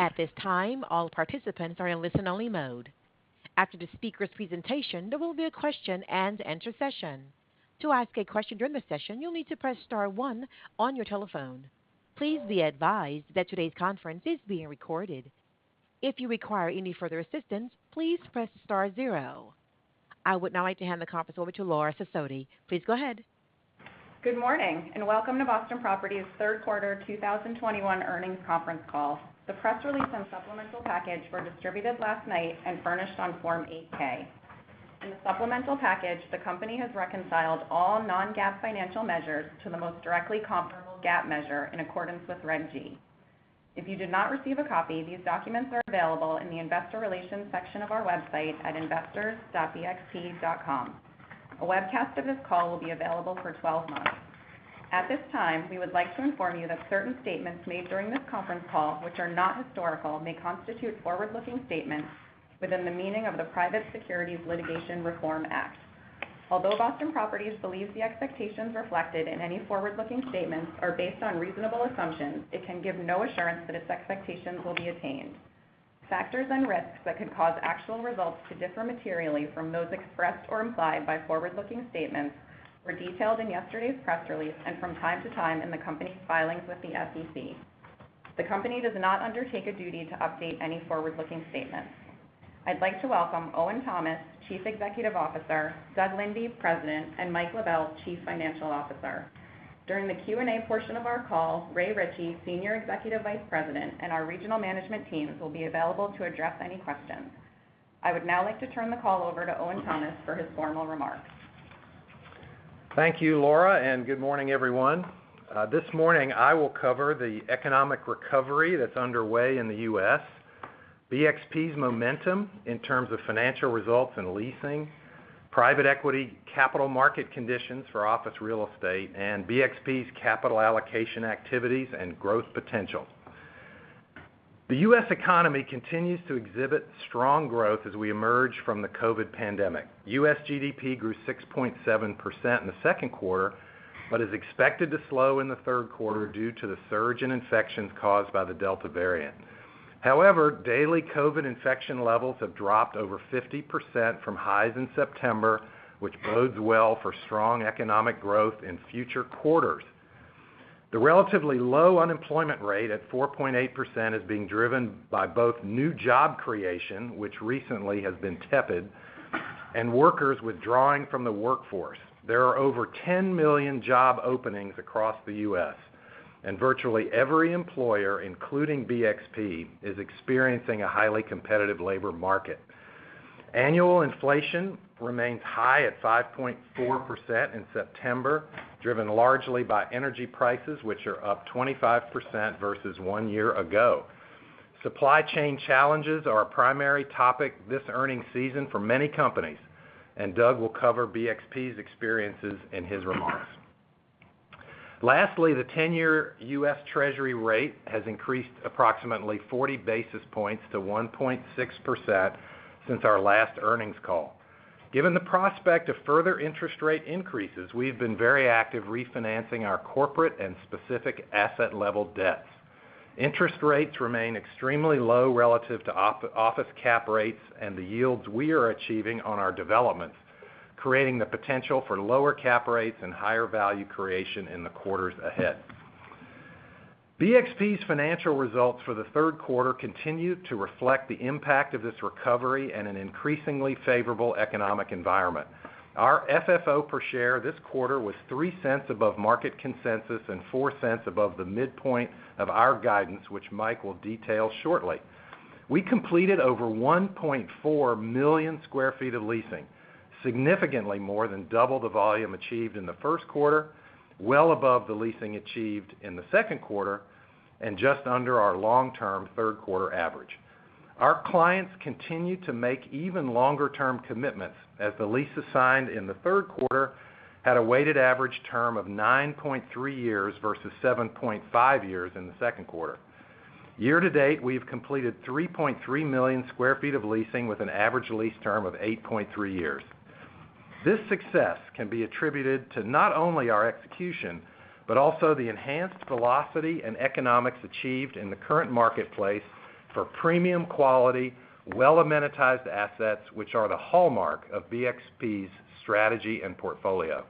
At this time, all participants are in listen-only mode. After the speaker's presentation, there will be a question-and-answer session. To ask a question during the session, you'll need to press star one on your telephone. Please be advised that today's conference is being recorded. If you require any further assistance, please press star zero. I would now like to hand the conference over toLaura M. Sesody. Please go ahead. Good morning, and welcome to Boston Properties' Q3 2021 earnings conference call. The press release and supplemental package were distributed last night and furnished on Form 8-K. In the supplemental package, the company has reconciled all non-GAAP financial measures to the most directly comparable GAAP measure in accordance with Reg G. If you did not receive a copy, these documents are available in the Investor Relations section of our website at investors.bxp.com. A webcast of this call will be available for 12 months. At this time, we would like to inform you that certain statements made during this conference call, which are not historical, may constitute forward-looking statements within the meaning of the Private Securities Litigation Reform Act. Although Boston Properties believes the expectations reflected in any forward-looking statements are based on reasonable assumptions, it can give no assurance that its expectations will be attained. Factors and risks that could cause actual results to differ materially from those expressed or implied by forward-looking statements were detailed in yesterday's press release and from time to time in the company's filings with the SEC. The company does not undertake a duty to update any forward-looking statements. I'd like to welcome Owen Thomas, Chief Executive Officer, Doug Linde, President, and Mike LaBelle, Chief Financial Officer. During the Q&A portion of our call, Rodney C. Diehl, Senior Executive Vice President, and our regional management teams will be available to address any questions. I would now like to turn the call over to Owen Thomas for his formal remarks. Thank you, Laura, and good morning, everyone. This morning I will cover the economic recovery that's underway in the U.S., BXP's momentum in terms of financial results and leasing, private equity capital market conditions for office real estate, and BXP's capital allocation activities and growth potential. The U.S. economy continues to exhibit strong growth as we emerge from the COVID pandemic. U.S. GDP grew 6.7% in the Q2, but is expected to slow in the Q3 due to the surge in infections caused by the Delta variant. However, daily COVID infection levels have dropped over 50% from highs in September, which bodes well for strong economic growth in future quarters. The relatively low unemployment rate at 4.8% is being driven by both new job creation, which recently has been tepid, and workers withdrawing from the workforce. There are over 10 million job openings across the U.S., and virtually every employer, including BXP, is experiencing a highly competitive labor market. Annual inflation remains high at 5.4% in September, driven largely by energy prices, which are up 25% versus one year ago. Supply chain challenges are a primary topic this earnings season for many companies, and Doug will cover BXP's experiences in his remarks. Lastly, the 10-year U.S. Treasury rate has increased approximately 40 basis points to 1.6% since our last earnings call. Given the prospect of further interest rate increases, we've been very active refinancing our corporate and specific asset level debts. Interest rates remain extremely low relative to office cap rates and the yields we are achieving on our developments, creating the potential for lower cap rates and higher value creation in the quarters ahead. BXP's financial results for the Q3 continued to reflect the impact of this recovery and an increasingly favorable economic environment. Our FFO per share this quarter was 0.03 above market consensus and 0.04 above the midpoint of our guidance, which Mike will detail shortly. We completed over 1.4 million sq ft of leasing, significantly more than double the volume achieved in the Q1, well above the leasing achieved in the Q2, and just under our long-term Q3 average. Our clients continued to make even longer-term commitments as the leases signed in the Q3 had a weighted average term of 9.3 years versus 7.5 years in the Q2. Year-to-date, we've completed 3.3 million sq ft of leasing with an average lease term of 8.3 years. This success can be attributed to not only our execution, but also the enhanced velocity and economics achieved in the current marketplace for premium quality, well-amenitized assets, which are the hallmark of BXP's strategy and portfolio.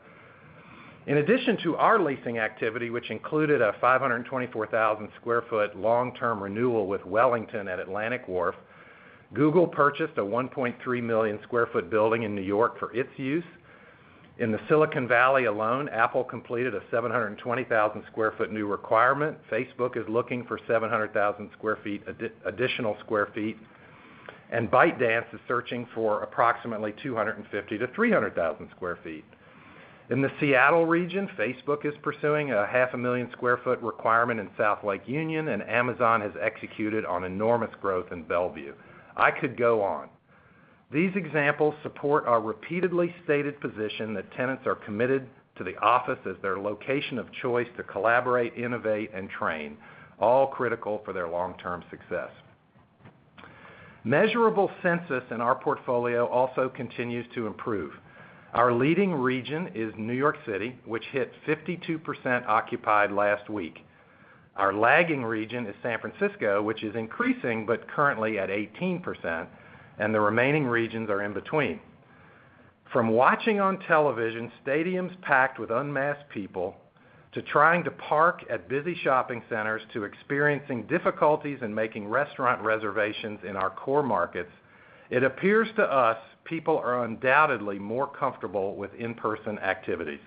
In addition to our leasing activity, which included a 524,000 sq ft long-term renewal with Wellington at Atlantic Wharf, Google purchased a 1.3 million sq ft building in New York for its use. In the Silicon Valley alone, Apple completed a 720,000 sq ft new requirement. Facebook is looking for 700,000 sq ft additional sq ft. ByteDance is searching for approximately 250,000-300,000 sq ft. In the Seattle region, Facebook is pursuing a 500,000 sq ft requirement in South Lake Union, and Amazon has executed on enormous growth in Bellevue. I could go on. These examples support our repeatedly stated position that tenants are committed to the office as their location of choice to collaborate, innovate, and train, all critical for their long-term success. Measurable census in our portfolio also continues to improve. Our leading region is New York City, which hit 52% occupied last week. Our lagging region is San Francisco, which is increasing, but currently at 18%, and the remaining regions are in between. From watching on television stadiums packed with unmasked people, to trying to park at busy shopping centers, to experiencing difficulties in making restaurant reservations in our core markets, it appears to us people are undoubtedly more comfortable with in-person activities.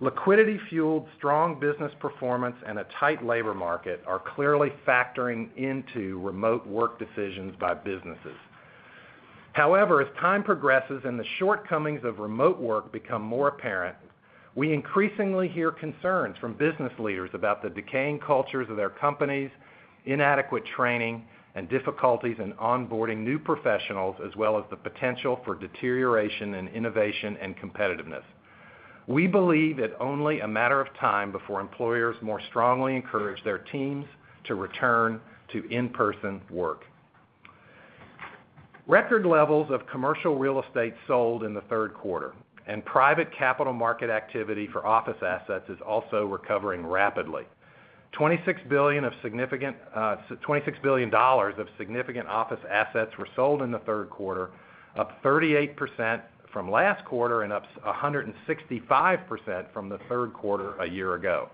Liquidity-fueled strong business performance and a tight labor market are clearly factoring into remote work decisions by businesses. However, as time progresses and the shortcomings of remote work become more apparent, we increasingly hear concerns from business leaders about the decaying cultures of their companies, inadequate training, and difficulties in onboarding new professionals, as well as the potential for deterioration in innovation and competitiveness. We believe it only a matter of time before employers more strongly encourage their teams to return to in-person work. Record levels of commercial real estate sold in the Q3. Private capital market activity for office assets is also recovering rapidly. $26 billion of significant office assets were sold in the Q3, up 38% from last quarter and up 165% from the Q3 a year ago.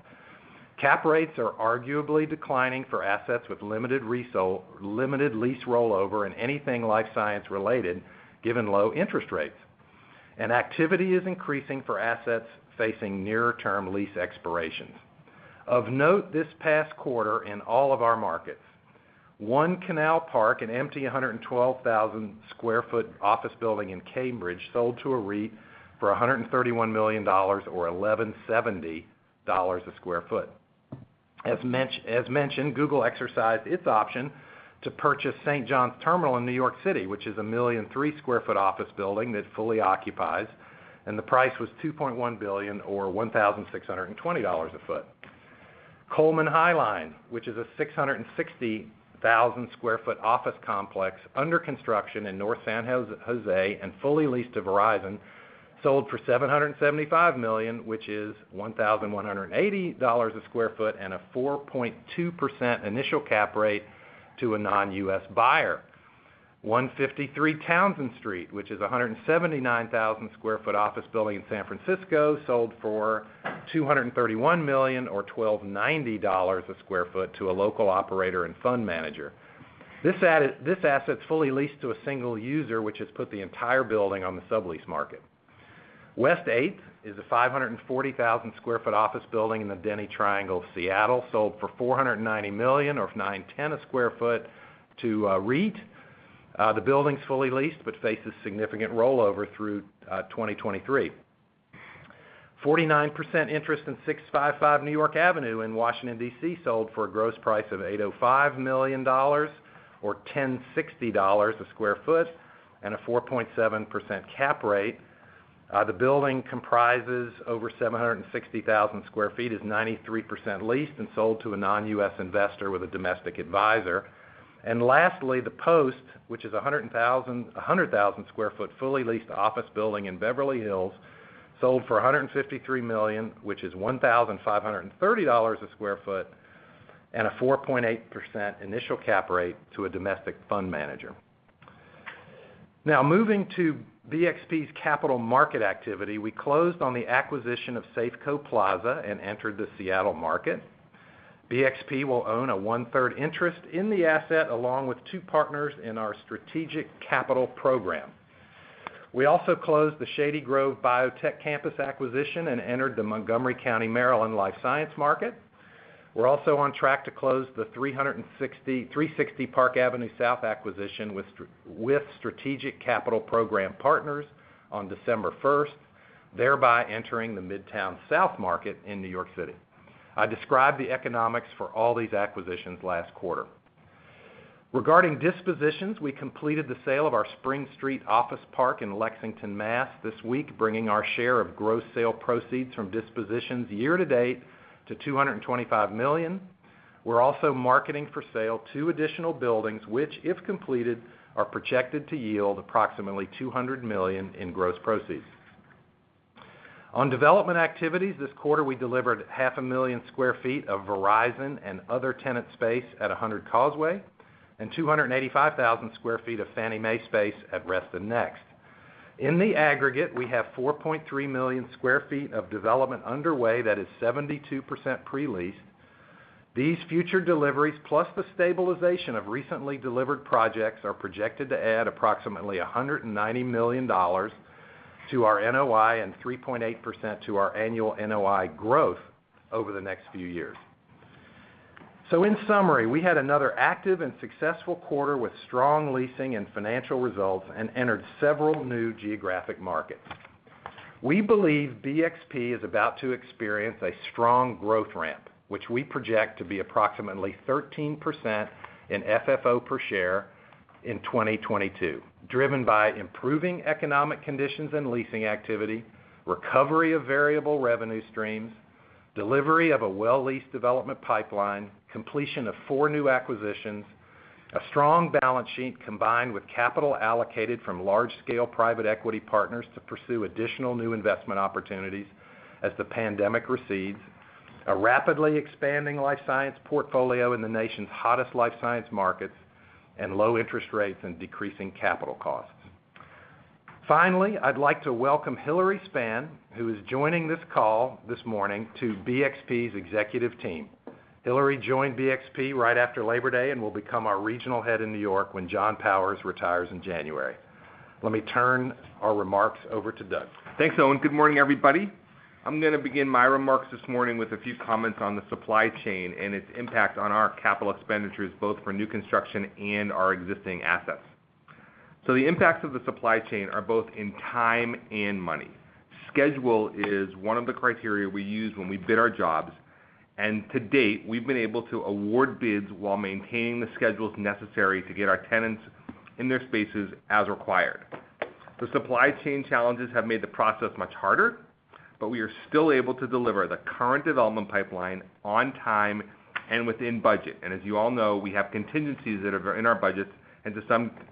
Cap rates are arguably declining for assets with limited lease rollover in anything life science related, given low interest rates. Activity is increasing for assets facing nearer term lease expirations. Of note this past quarter in all of our markets, One Canal Park, an empty 112,000 sq ft office building in Cambridge, sold to a REIT for $131 million or $1,170/sq ft. As mentioned, Google exercised its option to purchase St. John's Terminal in New York City, which is a 1.3 million sq ft office building that it fully occupies, and the price was $2.1 billion or $1,620/sq ft. Coleman Highline, which is a 660,000 sq ft office complex under construction in North San Jose and fully leased to Verizon, sold for 775 million, which is $1,180 a sq ft and a 4.2% initial cap rate to a non-U.S. buyer. 153 Townsend Street, which is a 179,000 sq ft office building in San Francisco, sold for 231 million or $1,290 a sq ft to a local operator and fund manager. This asset's fully leased to a single user, which has put the entire building on the sublease market. West 8th is a 540,000 sq ft office building in the Denny Triangle of Seattle, sold for 490 million or 910 a sq ft to a REIT. The building's fully leased, but faces significant rollover through 2023. 49% interest in 655 New York Avenue in Washington, D.C. sold for a gross price of $805 million or $1,060 a sq ft and a 4.7% cap rate. The building comprises over 760,000 sq ft, is 93% leased and sold to a non-U.S. investor with a domestic advisor. Lastly, The Post, which is a 100,000 sq ft, fully leased office building in Beverly Hills, sold for 153 million, which is $1,530 a sq ft and a 4.8% initial cap rate to a domestic fund manager. Now, moving to BXP's capital market activity, we closed on the acquisition of Safeco Plaza and entered the Seattle market. BXP will own a one-third interest in the asset, along with two partners in our strategic capital program. We also closed the Shady Grove Biotech Campus acquisition and entered the Montgomery County, Maryland, life science market. We're also on track to close the 360 Park Avenue South acquisition with strategic capital program partners on December first, thereby entering the Midtown South market in New York City. I described the economics for all these acquisitions last quarter. Regarding dispositions, we completed the sale of our Spring Street Office Park in Lexington, Mass., this week, bringing our share of gross sale proceeds from dispositions year to date to 225 million. We're also marketing for sale two additional buildings, which, if completed, are projected to yield approximately 200 million in gross proceeds. On development activities this quarter, we delivered 500,000 sq ft of Verizon and other tenant space at 100 Causeway and 285,000 sq ft of Fannie Mae space at Reston Next. In the aggregate, we have 4.3 million sq ft of development underway that is 72% pre-leased. These future deliveries, plus the stabilization of recently delivered projects, are projected to add approximately $190 million to our NOI and 3.8% to our annual NOI growth over the next few years. In summary, we had another active and successful quarter with strong leasing and financial results and entered several new geographic markets. We believe BXP is about to experience a strong growth ramp, which we project to be approximately 13% in FFO per share in 2022, driven by improving economic conditions and leasing activity, recovery of variable revenue streams, delivery of a well-leased development pipeline, completion of four new acquisitions, a strong balance sheet combined with capital allocated from large-scale private equity partners to pursue additional new investment opportunities as the pandemic recedes, a rapidly expanding life science portfolio in the nation's hottest life science markets, and low interest rates and decreasing capital costs. Finally, I'd like to welcome Hilary Spann, who is joining this call this morning to BXP's executive team. Hilary joined BXP right after Labor Day and will become our regional head in New York when John Powers retires in January. Let me turn our remarks over to Doug. Thanks, Owen. Good morning, everybody. I'm gonna begin my remarks this morning with a few comments on the supply chain and its impact on our capital expenditures, both for new construction and our existing assets. The impacts of the supply chain are both in time and money. Schedule is one of the criteria we use when we bid our jobs, and to date, we've been able to award bids while maintaining the schedules necessary to get our tenants in their spaces as required. The supply chain challenges have made the process much harder, but we are still able to deliver the current development pipeline on time and within budget. As you all know, we have contingencies that are in our budgets, and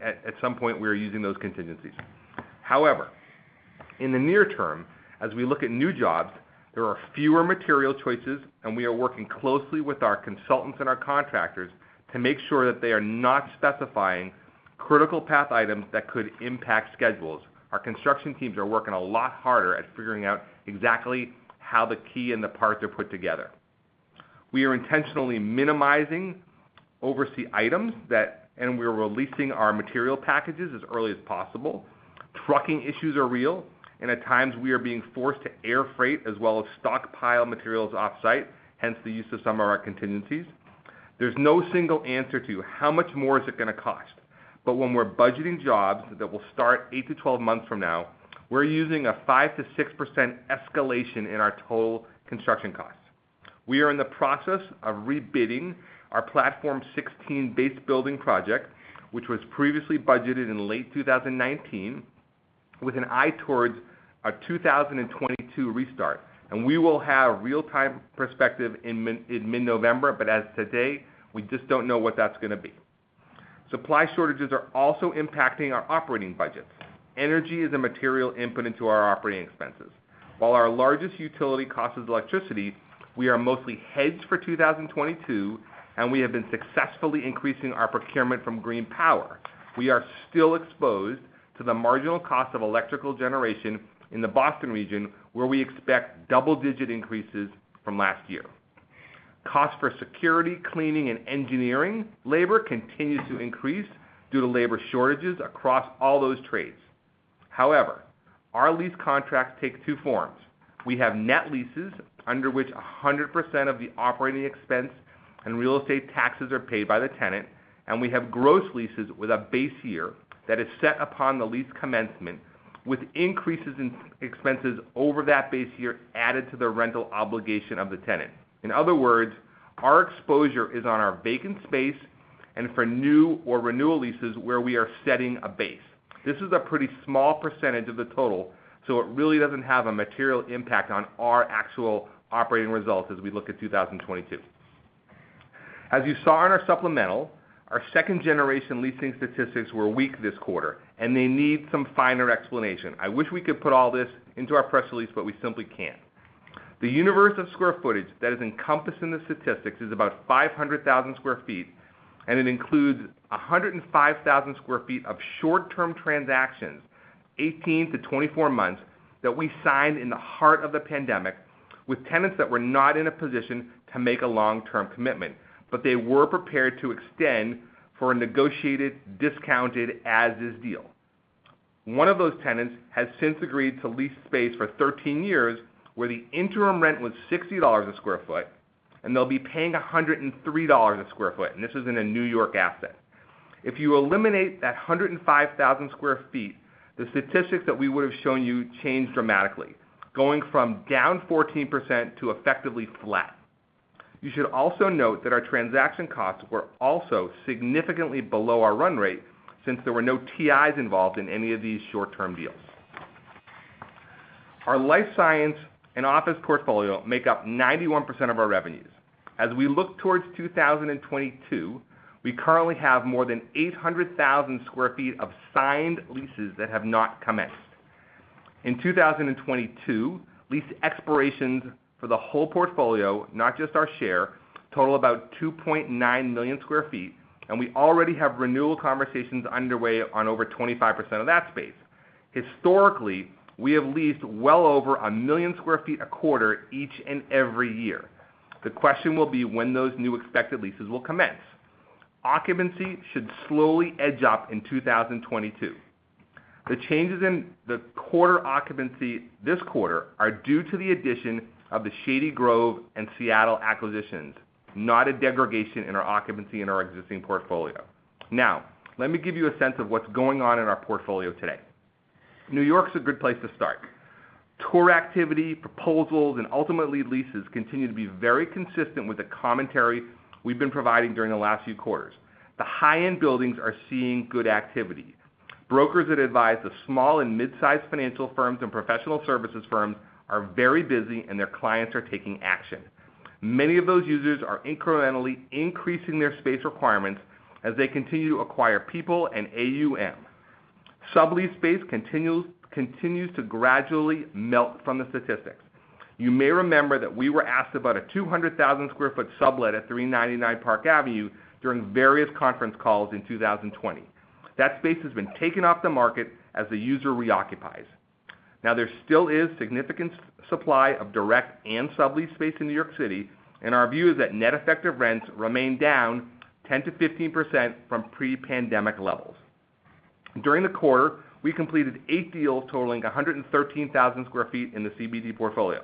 at some point, we are using those contingencies. However, in the near term, as we look at new jobs, there are fewer material choices, and we are working closely with our consultants and our contractors to make sure that they are not specifying critical path items that could impact schedules. Our construction teams are working a lot harder at figuring out exactly how the key and the parts are put together. We are intentionally minimizing oversea items, and we are releasing our material packages as early as possible. Trucking issues are real, and at times, we are being forced to air freight as well as stockpile materials off-site, hence the use of some of our contingencies. There's no single answer to how much more is it gonna cost, but when we're budgeting jobs that will start eight-12 months from now, we're using a 5%-6% escalation in our total construction costs. We are in the process of rebidding our Platform 16 base building project, which was previously budgeted in late 2019, with an eye towards a 2022 restart. We will have real-time perspective in mid-November, but as of today, we just don't know what that's gonna be. Supply shortages are also impacting our operating budgets. Energy is a material input into our operating expenses. While our largest utility cost is electricity, we are mostly hedged for 2022, and we have been successfully increasing our procurement from green power. We are still exposed to the marginal cost of electrical generation in the Boston region, where we expect double-digit increases from last year. Costs for security, cleaning, and engineering labor continues to increase due to labor shortages across all those trades. However, our lease contracts take two forms. We have net leases, under which 100% of the operating expense and real estate taxes are paid by the tenant, and we have gross leases with a base year that is set upon the lease commencement, with increases in expenses over that base year added to the rental obligation of the tenant. In other words, our exposure is on our vacant space and for new or renewal leases where we are setting a base. This is a pretty small percentage of the total, so it really doesn't have a material impact on our actual operating results as we look at 2022. As you saw in our supplemental, our second-generation leasing statistics were weak this quarter, and they need some finer explanation. I wish we could put all this into our press release, but we simply can't. The universe of square footage that is encompassed in the statistics is about 500,000 sq ft, and it includes 105,000 sq ft of short-term transactions, 18-24 months, that we signed in the heart of the pandemic with tenants that were not in a position to make a long-term commitment. They were prepared to extend for a negotiated, discounted as-is deal. One of those tenants has since agreed to lease space for 13 years where the interim rent was $60 a sq ft, and they'll be paying $103 a sq ft, and this is in a New York asset. If you eliminate that 105,000 sq ft, the statistics that we would have shown you change dramatically, going from down 14% to effectively flat. You should also note that our transaction costs were also significantly below our run rate since there were no TIs involved in any of these short-term deals. Our life science and office portfolio make up 91% of our revenues. As we look towards 2022, we currently have more than 800,000 sq ft of signed leases that have not commenced. In 2022, lease expirations for the whole portfolio, not just our share, total about 2.9 million sq ft, and we already have renewal conversations underway on over 25% of that space. Historically, we have leased well over 1 million sq ft a quarter each and every year. The question will be when those new expected leases will commence. Occupancy should slowly edge up in 2022. The changes in the quarter occupancy this quarter are due to the addition of the Shady Grove and Seattle acquisitions, not a degradation in our occupancy in our existing portfolio. Now, let me give you a sense of what's going on in our portfolio today. New York's a good place to start. Tour activity, proposals, and ultimately leases continue to be very consistent with the commentary we've been providing during the last few quarters. The high-end buildings are seeing good activity. Brokers that advise the small and mid-sized financial firms and professional services firms are very busy, and their clients are taking action. Many of those users are incrementally increasing their space requirements as they continue to acquire people and AUM. Sublease space continues to gradually melt from the statistics. You may remember that we were asked about a 200,000 sq ft sublet at 399 Park Avenue during various conference calls in 2020. That space has been taken off the market as the user reoccupies. Now, there still is significant supply of direct and sublease space in New York City, and our view is that net effective rents remain down 10%-15% from pre-pandemic levels. During the quarter, we completed eight deals totaling 113,000 sq ft in the CBD portfolio.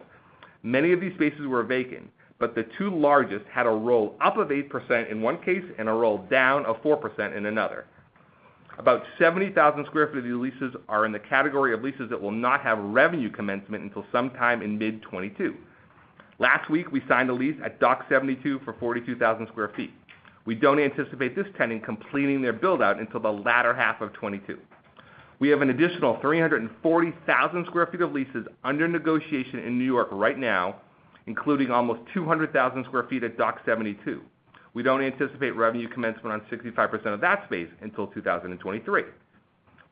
Many of these spaces were vacant, but the two largest had a roll up of 8% in one case and a roll down of 4% in another. About 70,000 sq ft of new leases are in the category of leases that will not have revenue commencement until sometime in mid-2022. Last week, we signed a lease at Dock 72 for 42,000 sq ft. We don't anticipate this tenant completing their build-out until the latter half of 2022. We have an additional 340,000 sq ft of leases under negotiation in New York right now, including almost 200,000 sq ft at Dock 72. We don't anticipate revenue commencement on 65% of that space until 2023.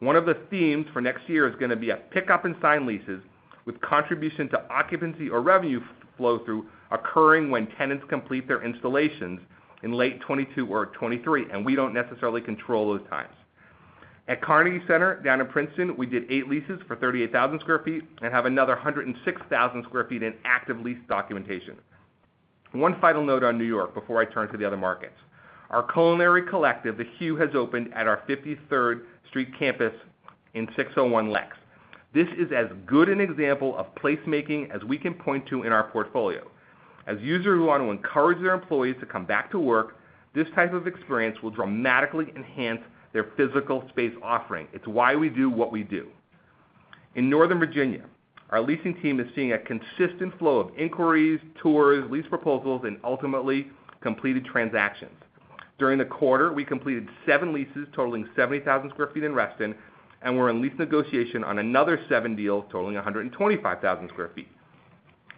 One of the themes for next year is gonna be a pickup in signed leases with contribution to occupancy or revenue flow through occurring when tenants complete their installations in late 2022 or 2023, and we don't necessarily control those times. At Carnegie Center down in Princeton, we did eight leases for 38,000 sq ft and have another 106,000 sq ft in active lease documentation. One final note on New York before I turn to the other markets. Our culinary collective, The Hugh, has opened at our 53rd Street campus in 601 Lexington Avenue. This is as good an example of placemaking as we can point to in our portfolio. As users who want to encourage their employees to come back to work, this type of experience will dramatically enhance their physical space offering. It's why we do what we do. In Northern Virginia, our leasing team is seeing a consistent flow of inquiries, tours, lease proposals, and ultimately, completed transactions. During the quarter, we completed seven leases totaling 70,000 sq ft in Reston, and we're in lease negotiation on another seven deals totaling 125,000 sq ft.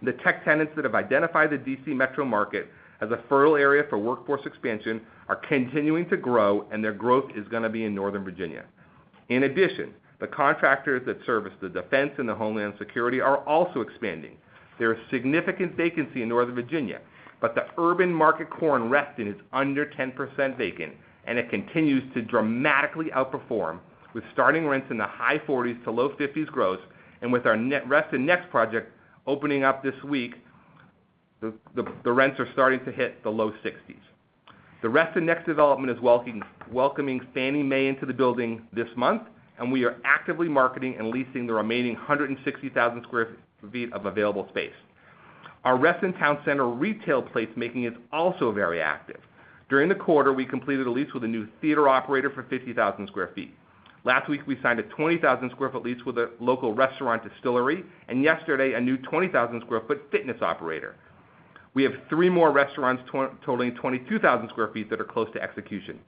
The tech tenants that have identified the DC Metro market as a fertile area for workforce expansion are continuing to grow, and their growth is gonna be in Northern Virginia. In addition, the contractors that service the defense and the homeland security are also expanding. There is significant vacancy in Northern Virginia, but the urban market core in Reston is under 10% vacant, and it continues to dramatically outperform with starting rents in the high 40s-low 50s gross, and with our Reston Next project opening up this week, the rents are starting to hit the low 60s. The Reston Next development is welcoming Fannie Mae into the building this month, and we are actively marketing and leasing the remaining 160,000 sq ft of available space. Our Reston Town Center retail placemaking is also very active. During the quarter, we completed a lease with a new theater operator for 50,000 sq ft. Last week, we signed a 20,000 sq ft lease with a local restaurant distillery, and yesterday, a new 20,000 sq ft fitness operator. We have three more restaurants totaling 22,000 sq ft that are close to execution.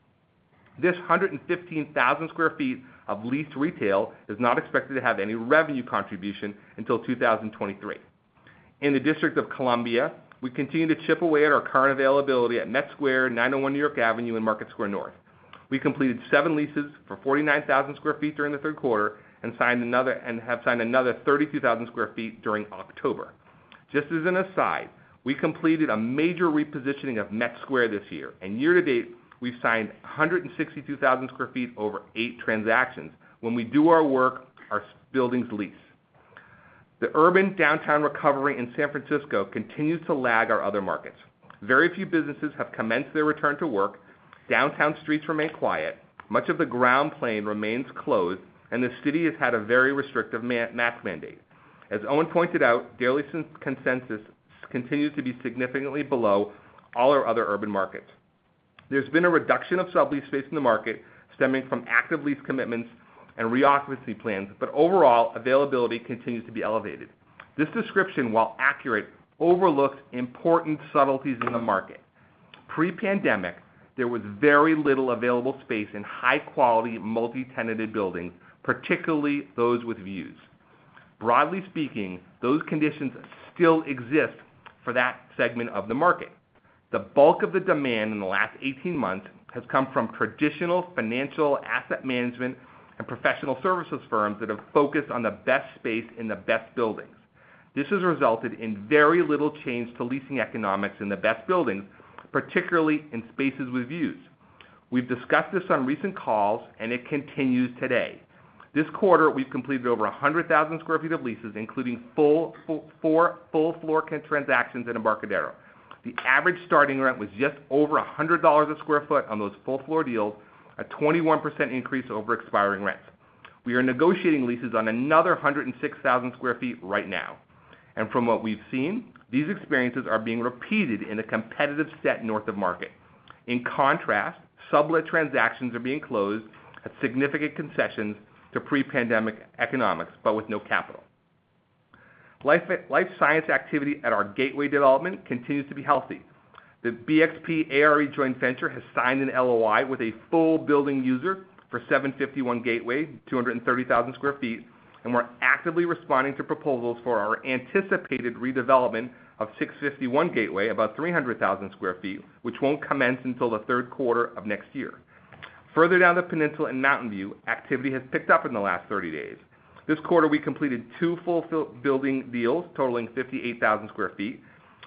This 115,000 sq ft of leased retail is not expected to have any revenue contribution until 2023. In the District of Columbia, we continue to chip away at our current availability at Met Square, 901 New York Avenue, and Market Square North. We completed seven leases for 49,000 sq ft during the third quarter and signed another 32,000 sq ft during October. Just as an aside, we completed a major repositioning of Met Square this year. Year-to-date, we've signed 162,000 sq ft over eight transactions. When we do our work, our SF buildings lease. The urban downtown recovery in San Francisco continues to lag our other markets. Very few businesses have commenced their return to work. Downtown streets remain quiet. Much of the ground plane remains closed. The city has had a very restrictive mask mandate. As Owen pointed out, daily SF consensus continues to be significantly below all our other urban markets. There's been a reduction of sublease space in the market stemming from active lease commitments and reoccupancy plans, but overall, availability continues to be elevated. This description, while accurate, overlooks important subtleties in the market. Pre-pandemic, there was very little available space in high quality, multi-tenanted buildings, particularly those with views. Broadly speaking, those conditions still exist for that segment of the market. The bulk of the demand in the last 18 months has come from traditional financial asset management and professional services firms that have focused on the best space in the best buildings. This has resulted in very little change to leasing economics in the best buildings, particularly in spaces with views. We've discussed this on recent calls, and it continues today. This quarter, we've completed over 100,000 sq ft of leases, including four full floor transactions at Embarcadero. The average starting rent was just over $100 a sq ft on those full floor deals, a 21% increase over expiring rents. We are negotiating leases on another 106,000 sq ft right now. From what we've seen, these experiences are being repeated in a competitive set north of market. In contrast, sublet transactions are being closed at significant concessions to pre-pandemic economics, but with no CapEx. Life science activity at our Gateway development continues to be healthy. The BXP ARE joint venture has signed an LOI with a full-building user for 751 Gateway, 230,000 sq ft, and we're actively responding to proposals for our anticipated redevelopment of 651 Gateway, about 300,000 sq ft, which won't commence until the Q3 of next year. Further down the peninsula in Mountain View, activity has picked up in the last 30 days. This quarter, we completed two full-building deals totaling 58,000 sq ft.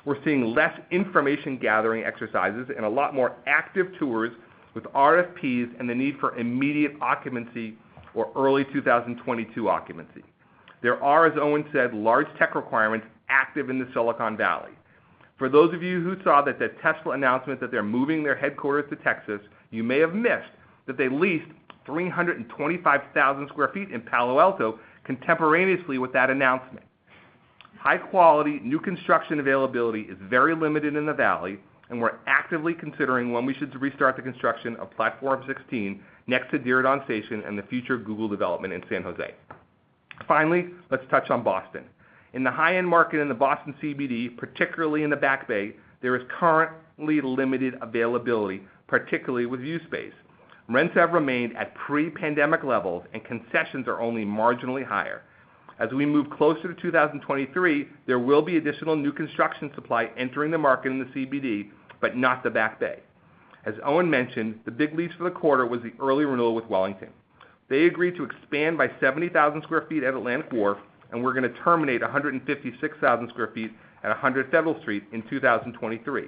We're seeing less information gathering exercises and a lot more active tours with RFPs and the need for immediate occupancy or early 2022 occupancy. There are, as Owen said, large tech requirements active in the Silicon Valley. For those of you who saw that the Tesla announcement that they're moving their headquarters to Texas, you may have missed that they leased 325,000 sq ft in Palo Alto contemporaneously with that announcement. High quality, new construction availability is very limited in the Valley, and we're actively considering when we should restart the construction of Platform 16 next to Diridon Station and the future Google development in San Jose. Finally, let's touch on Boston. In the high-end market in the Boston CBD, particularly in the Back Bay, there is currently limited availability, particularly with use space. Rents have remained at pre-pandemic levels, and concessions are only marginally higher. As we move closer to 2023, there will be additional new construction supply entering the market in the CBD, but not the Back Bay. As Owen mentioned, the big lease for the quarter was the early renewal with Wellington. They agreed to expand by 70,000 sq ft at Atlantic Wharf, and we're gonna terminate 156,000 sq ft at 100 Federal Street in 2023.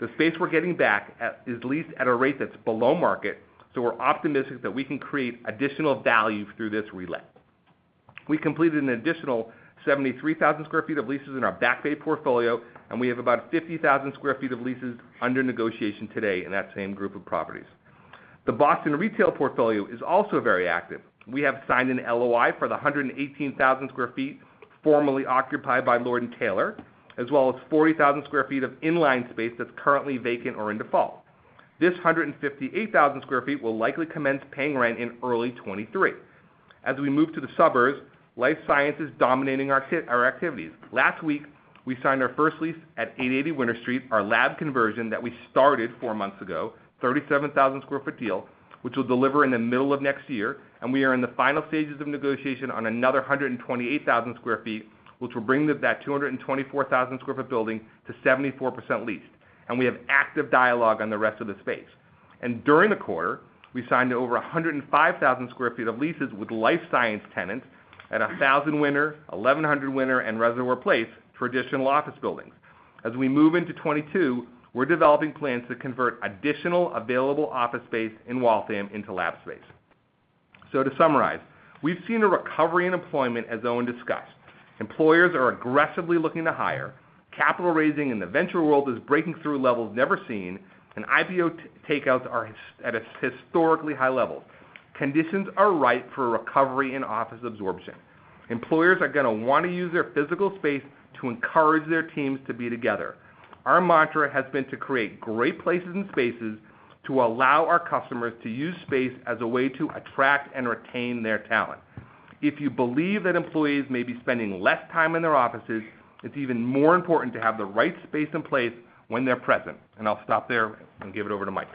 The space we're getting back is leased at a rate that's below market, so we're optimistic that we can create additional value through this relet. We completed an additional 73,000 sq ft of leases in our Back Bay portfolio, and we have about 50,000 sq ft of leases under negotiation today in that same group of properties. The Boston retail portfolio is also very active. We have signed an LOI for the 118,000 sq ft formerly occupied by Lord & Taylor, as well as 40,000 sq ft of inline space that's currently vacant or in default. This 158,000 sq ft will likely commence paying rent in early 2023. As we move to the suburbs, life science is dominating our activities. Last week, we signed our first lease at 880 Winter Street, our lab conversion that we started four months ago, 37,000 sq ft deal, which will deliver in the middle of next year, and we are in the final stages of negotiation on another 128,000 sq ft, which will bring the 224,000 sq ft building to 74% leased, and we have active dialogue on the rest of the space. During the quarter, we signed over 105,000 sq ft of leases with life science tenants at 1000 Winter, 1100 Winter, and Reservoir Place, traditional office buildings. As we move into 2022, we're developing plans to convert additional available office space in Waltham into lab space. To summarize, we've seen a recovery in employment as Owen discussed. Employers are aggressively looking to hire. Capital raising in the venture world is breaking through levels never seen, and IPO takeouts are at a historically high level. Conditions are ripe for a recovery in office absorption. Employers are gonna want to use their physical space to encourage their teams to be together. Our mantra has been to create great places and spaces to allow our customers to use space as a way to attract and retain their talent. If you believe that employees may be spending less time in their offices, it's even more important to have the right space in place when they're present. I'll stop there and give it over to Mike.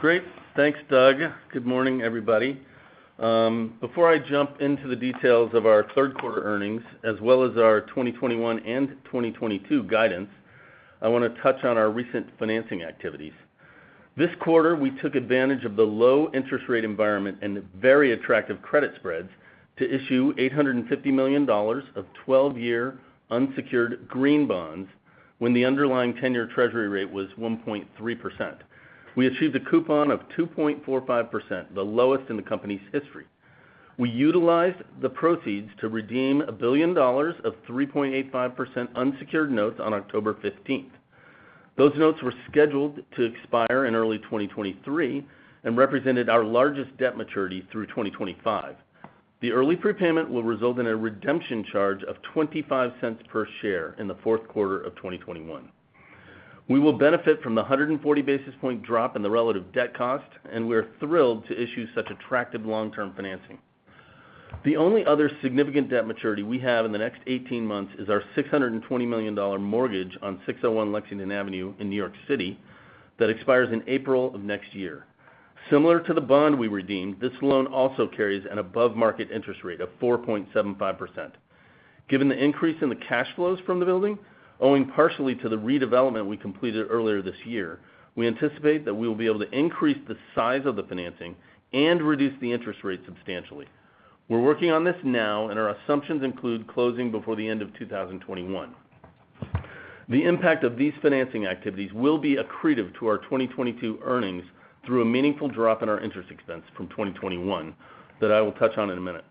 Great. Thanks, Doug. Good morning, everybody. Before I jump into the details of our third quarter earnings, as well as our 2021 and 2022 guidance, I want to touch on our recent financing activities. This quarter, we took advantage of the low interest rate environment and the very attractive credit spreads to issue $850 million of 12-year unsecured green bonds when the underlying 10-year Treasury rate was 1.3%. We achieved a coupon of 2.45%, the lowest in the company's history. We utilized the proceeds to redeem $1 billion of 3.85% unsecured notes on October fifteenth. Those notes were scheduled to expire in early 2023 and represented our largest debt maturity through 2025. The early prepayment will result in a redemption charge of 0.25 per share in the fourth quarter of 2021. We will benefit from the 140 basis point drop in the relative debt cost, and we're thrilled to issue such attractive long-term financing. The only other significant debt maturity we have in the next 18 months is our 620 million mortgage on 601 Lexington Avenue in New York City that expires in April of next year. Similar to the bond we redeemed, this loan also carries an above market interest rate of 4.75%. Given the increase in the cash flows from the building, owing partially to the redevelopment we completed earlier this year, we anticipate that we will be able to increase the size of the financing and reduce the interest rate substantially. We're working on this now, and our assumptions include closing before the end of 2021. The impact of these financing activities will be accretive to our 2022 earnings through a meaningful drop in our interest expense from 2021 that I will touch on in a minute.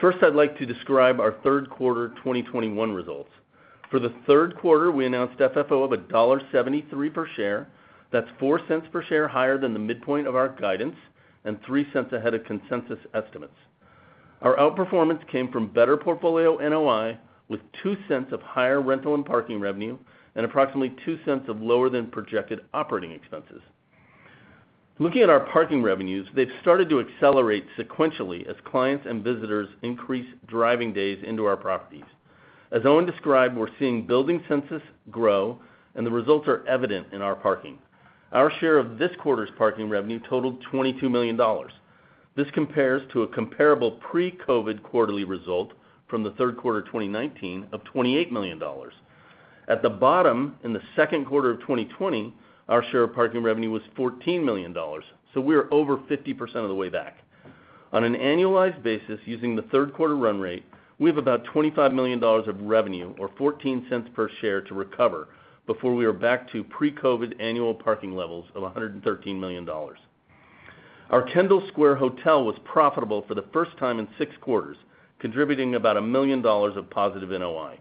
First, I'd like to describe our third quarter 2021 results. For the Q3, we announced FFO of $1.73 per share. That's 0.04 per share higher than the midpoint of our guidance and 0.03 ahead of consensus estimates. Our outperformance came from better portfolio NOI with 0.02 of higher rental and parking revenue and approximately 0.02 of lower than projected operating expenses. Looking at our parking revenues, they've started to accelerate sequentially as clients and visitors increase driving days into our properties. As Owen described, we're seeing building census grow, and the results are evident in our parking. Our share of this quarter's parking revenue totaled $22 million. This compares to a comparable pre-COVID quarterly result from the third quarter of 2019 of $28 million. At the bottom in the Q2 of 2020, our share of parking revenue was $14 million, so we are over 50% of the way back. On an annualized basis, using the third quarter run rate, we have about $25 million of revenue or 0.14 per share to recover before we are back to pre-COVID annual parking levels of $113 million. Our Kendall Square hotel was profitable for the first time in six quarters, contributing about $1 million of positive NOI.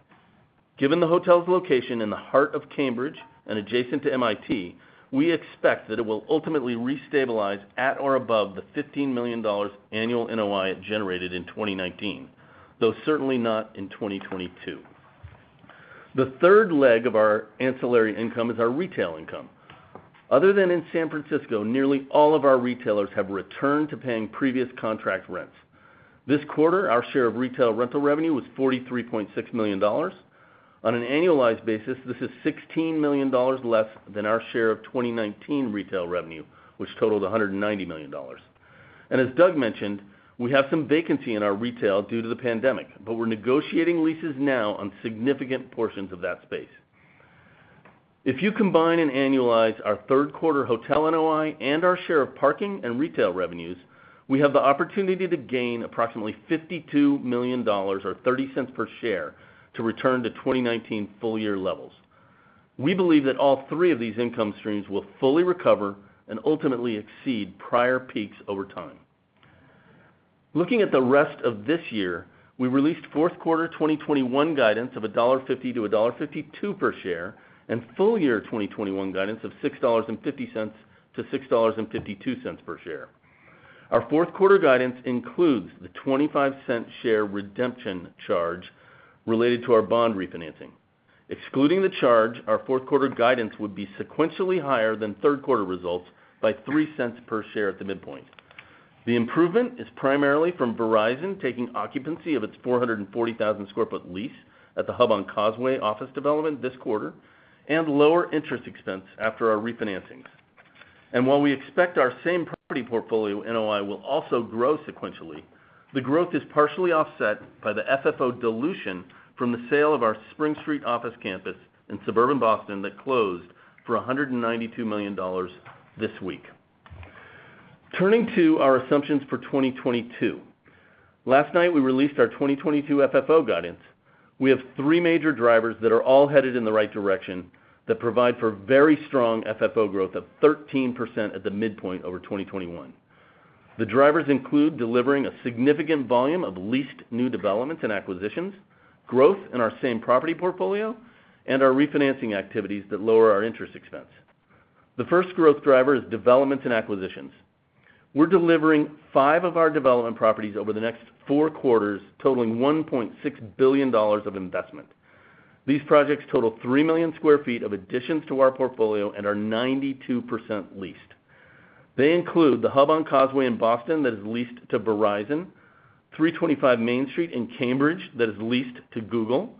Given the hotel's location in the heart of Cambridge and adjacent to MIT, we expect that it will ultimately restabilize at or above the $15 million annual NOI it generated in 2019, though certainly not in 2022. The third leg of our ancillary income is our retail income. Other than in San Francisco, nearly all of our retailers have returned to paying previous contract rents. This quarter, our share of retail rental revenue was $43.6 million. On an annualized basis, this is $16 million less than our share of 2019 retail revenue, which totaled $190 million. As Doug mentioned, we have some vacancy in our retail due to the pandemic, but we're negotiating leases now on significant portions of that space. If you combine and annualize our third quarter hotel NOI and our share of parking and retail revenues, we have the opportunity to gain approximately $52 million or 30 cents per share to return to 2019 full-year levels. We believe that all three of these income streams will fully recover and ultimately exceed prior peaks over time. Looking at the rest of this year, we released fourth quarter 2021 guidance of $1.50-$1.52 per share and full year 2021 guidance of $6.50-$6.52 per share. Our Q4 guidance includes the 25-cent share redemption charge related to our bond refinancing. Excluding the charge, our fourth quarter guidance would be sequentially higher than third quarter results by three cents per share at the midpoint. The improvement is primarily from Verizon taking occupancy of its 440,000 sq ft lease at The Hub on Causeway office development this quarter and lower interest expense after our refinancings. While we expect our same property portfolio NOI will also grow sequentially, the growth is partially offset by the FFO dilution from the sale of our Spring Street office campus in suburban Boston that closed for $192 million this week. Turning to our assumptions for 2022. Last night, we released our 2022 FFO guidance. We have three major drivers that are all headed in the right direction that provide for very strong FFO growth of 13% at the midpoint over 2021. The drivers include delivering a significant volume of leased new developments and acquisitions, growth in our same property portfolio, and our refinancing activities that lower our interest expense. The first growth driver is developments and acquisitions. We're delivering five of our development properties over the next Q4, totaling $1.6 billion of investment. These projects total 3 million sq ft of additions to our portfolio and are 92% leased. They include The Hub on Causeway in Boston that is leased to Verizon, 325 Main Street in Cambridge that is leased to Google,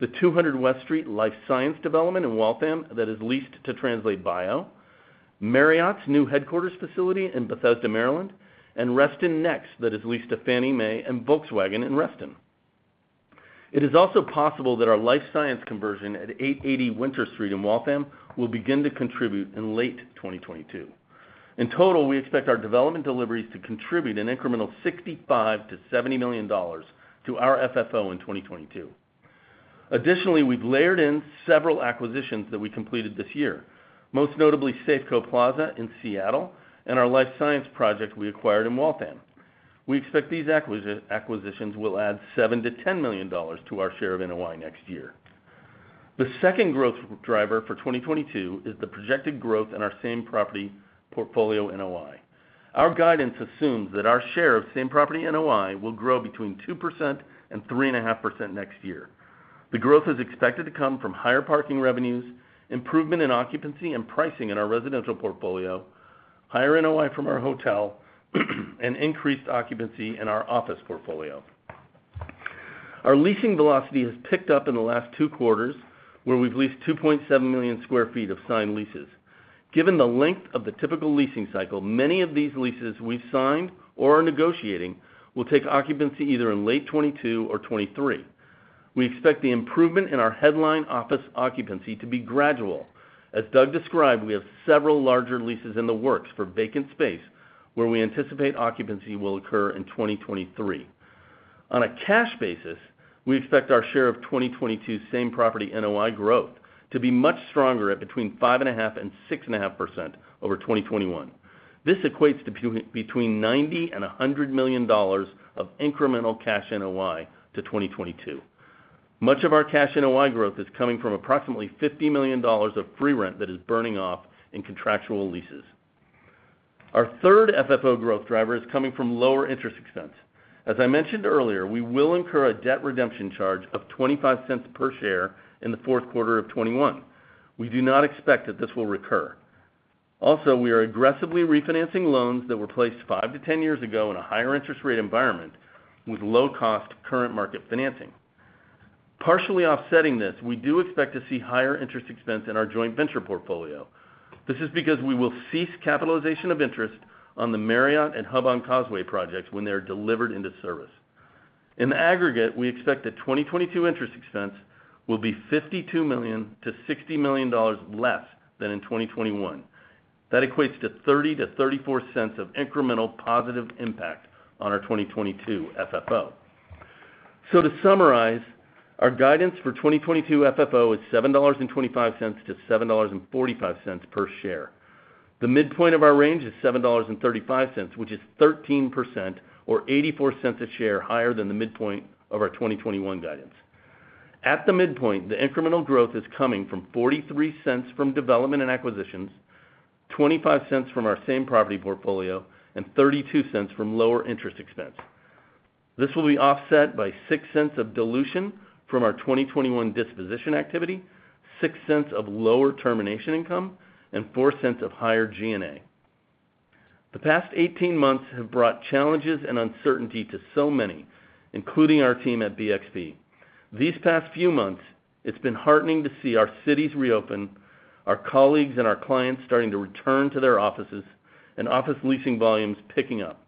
the 200 West Street life science development in Waltham that is leased to Translate Bio, Marriott's new headquarters facility in Bethesda, Maryland, and Reston Next that is leased to Fannie Mae and Volkswagen in Reston. It is also possible that our life science conversion at 880 Winter Street in Waltham will begin to contribute in late 2022. In total, we expect our development deliveries to contribute an incremental $65 million-$70 million to our FFO in 2022. Additionally, we've layered in several acquisitions that we completed this year, most notably Safeco Plaza in Seattle and our life science project we acquired in Waltham. We expect these acquisitions will add $7 million-$10 million to our share of NOI next year. The second growth driver for 2022 is the projected growth in our same property portfolio NOI. Our guidance assumes that our share of same property NOI will grow between 2% and 3.5% next year. The growth is expected to come from higher parking revenues, improvement in occupancy and pricing in our residential portfolio, higher NOI from our hotel, and increased occupancy in our office portfolio. Our leasing velocity has picked up in the last Q2, where we've leased 2.7 million sq ft of signed leases. Given the length of the typical leasing cycle, many of these leases we've signed or are negotiating will take occupancy either in late 2022 or 2023. We expect the improvement in our headline office occupancy to be gradual. As Doug described, we have several larger leases in the works for vacant space, where we anticipate occupancy will occur in 2023. On a cash basis, we expect our share of 2022 same-property NOI growth to be much stronger at between 5.5% and 6.5% over 2021. This equates to between $90-$100 million of incremental cash NOI to 2022. Much of our cash NOI growth is coming from approximately $50 million of free rent that is burning off in contractual leases. Our third FFO growth driver is coming from lower interest expense. As I mentioned earlier, we will incur a debt redemption charge of 25 cents per share in theQ4 of 2021. We do not expect that this will recur. Also, we are aggressively refinancing loans that were placed five-10 years ago in a higher interest rate environment with low cost current market financing. Partially offsetting this, we do expect to see higher interest expense in our joint venture portfolio. This is because we will cease capitalization of interest on the Marriott and The Hub on Causeway projects when they are delivered into service. In aggregate, we expect that 2022 interest expense will be $52 million-$60 million less than in 2021. That equates to $0.30-$0.34 of incremental positive impact on our 2022 FFO. To summarize, our guidance for 2022 FFO is $7.25-$7.45 per share. The midpoint of our range is $7.35, which is 13% or $0.84 a share higher than the midpoint of our 2021 guidance. At the midpoint, the incremental growth is coming from 0.43 from development and acquisitions, 0.25 from our same property portfolio, and 0.32 from lower interest expense. This will be offset by 0.06 of dilution from our 2021 disposition activity, 0.06 of lower termination income, and 0.04 of higher G&A. The past 18 months have brought challenges and uncertainty to so many, including our team at BXP. These past few months, it's been heartening to see our cities reopen, our colleagues and our clients starting to return to their offices and office leasing volumes picking up.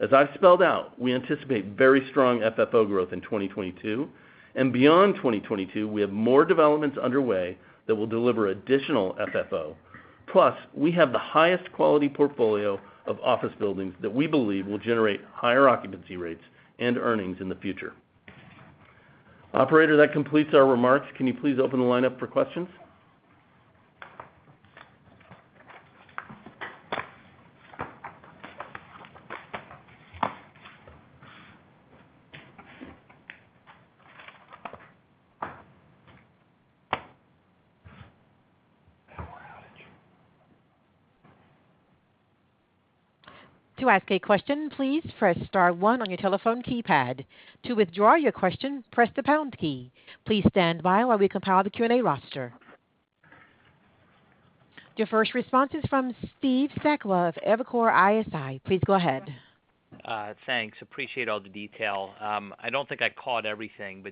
As I've spelled out, we anticipate very strong FFO growth in 2022. Beyond 2022, we have more developments underway that will deliver additional FFO. Plus, we have the highest quality portfolio of office buildings that we believe will generate higher occupancy rates and earnings in the future. Operator, that completes our remarks. Can you please open the line up for questions? Your first response is from Stephen Sakwa of Evercore ISI. Please go ahead. Thanks, appreciate all the detail. I don't think I caught everything,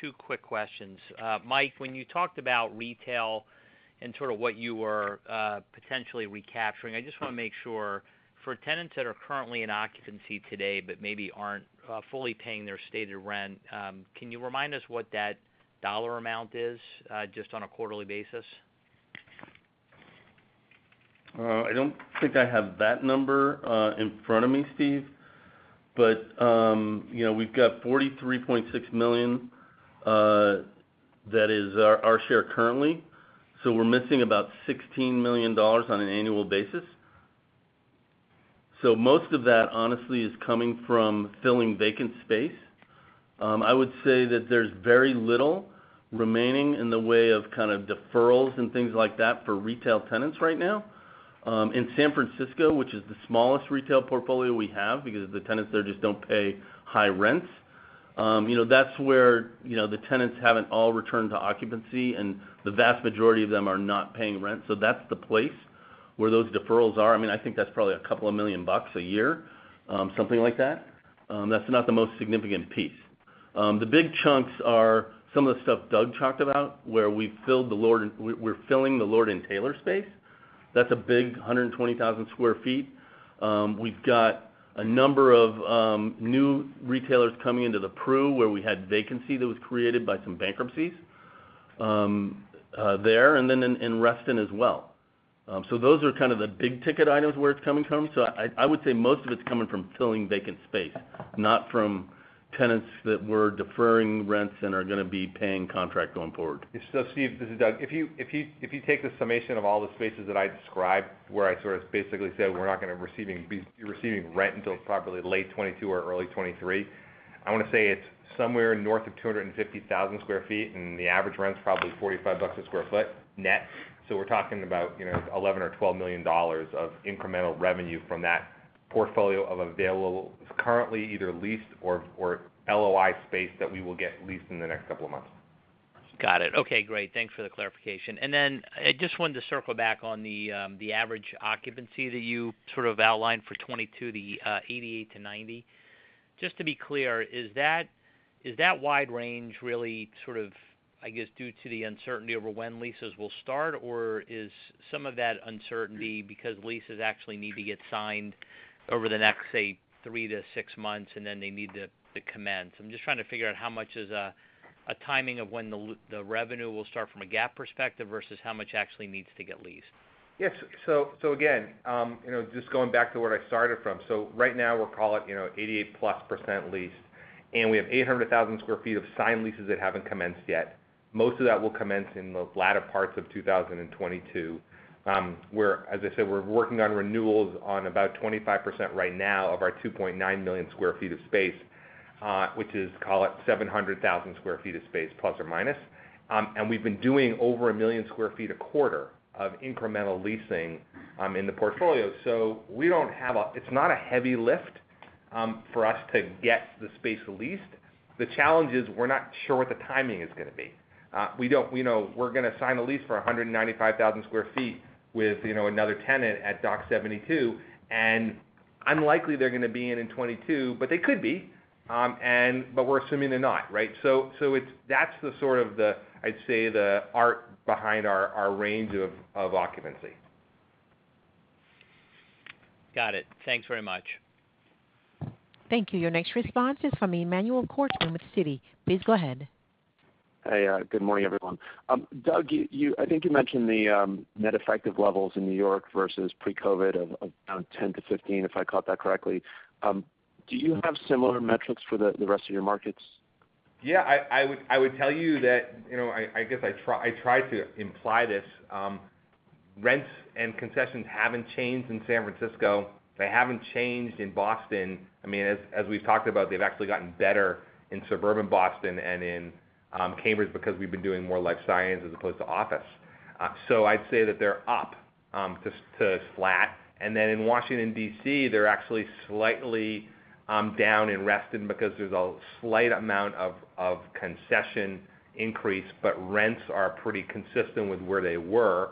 two quick questions. Mike, when you talked about retail and sort of what you were potentially recapturing, I just want to make sure for tenants that are currently in occupancy today but maybe aren't fully paying their stated rent, can you remind us what that dollar amount is, just on a quarterly basis? I don't think I have that number in front of me, Steve. you know, we've got 43.6 million that is our share currently, so we're missing about $16 million on an annual basis. Most of that, honestly, is coming from filling vacant space. I would say that there's very little remaining in the way of kind of deferrals and things like that for retail tenants right now. In San Francisco, which is the smallest retail portfolio we have because the tenants there just don't pay high rents, you know, that's where, you know, the tenants haven't all returned to occupancy, and the vast majority of them are not paying rent. That's the place where those deferrals are. I mean, I think that's probably a couple of million bucks a year, something like that. That's not the most significant piece. The big chunks are some of the stuff Doug talked about, where we're filling the Lord & Taylor space. That's a big 120,000 sq ft. We've got a number of new retailers coming into the Pru, where we had vacancy that was created by some bankruptcies there and then in Reston as well. Those are kind of the big ticket items where it's coming from. I would say most of it's coming from filling vacant space, not from tenants that were deferring rents and are gonna be paying contract going forward. Steve, this is Doug. If you take the summation of all the spaces that I described, where I sort of basically said, we're not gonna be receiving rent until probably late 2022 or early 2023, I want to say it's somewhere north of 250,000 sq ft, and the average rent's probably 45 a sq ft net. We're talking about, you know, $11 million-$12 million of incremental revenue from that portfolio of currently either leased or LOI space that we will get leased in the next couple of months. Got it. Okay, great. Thanks for the clarification. I just wanted to circle back on the average occupancy that you sort of outlined for 2022, the 88%-90%. Just to be clear, is that wide range really sort of, I guess, due to the uncertainty over when leases will start, or is some of that uncertainty because leases actually need to get signed over the next, say, three-six months, and then they need to commence? I'm just trying to figure out how much is a timing of when the revenue will start from a GAAP perspective versus how much actually needs to get leased. Yes. Again, you know, just going back to where I started from. Right now we'll call it, you know, 88%+ leased, and we have 800,000 sq ft of signed leases that haven't commenced yet. Most of that will commence in the latter parts of 2022. As I said, we're working on renewals on about 25% right now of our 2.9 million sq ft of space, which is, call it 700,000 sq ft of space, plus or minus. We've been doing over 1 million sq ft a quarter of incremental leasing in the portfolio. It's not a heavy lift for us to get the space leased. The challenge is we're not sure what the timing is gonna be. We know we're gonna sign a lease for 195,000 sq ft with, you know, another tenant at Dock 72, and unlikely they're gonna be in 2022, but they could be, but we're assuming they're not, right? So it's that sort of the, I'd say, the art behind our range of occupancy. Got it. Thanks very much. Thank you. Your next response is from Omotayo Okusanya from Deutsche Bank. Please go ahead. Hey, good morning, everyone. Doug, I think you mentioned the net effective levels in New York versus pre-COVID of around 10%-15%, if I caught that correctly. Do you have similar metrics for the rest of your markets? Yeah, I would tell you that, you know, I guess I try to imply this, rents and concessions haven't changed in San Francisco. They haven't changed in Boston. I mean, as we've talked about, they've actually gotten better in suburban Boston and in Cambridge because we've been doing more life science as opposed to office. I'd say that they're up to flat. In Washington, D.C., they're actually slightly down in Reston because there's a slight amount of concession increase, but rents are pretty consistent with where they were.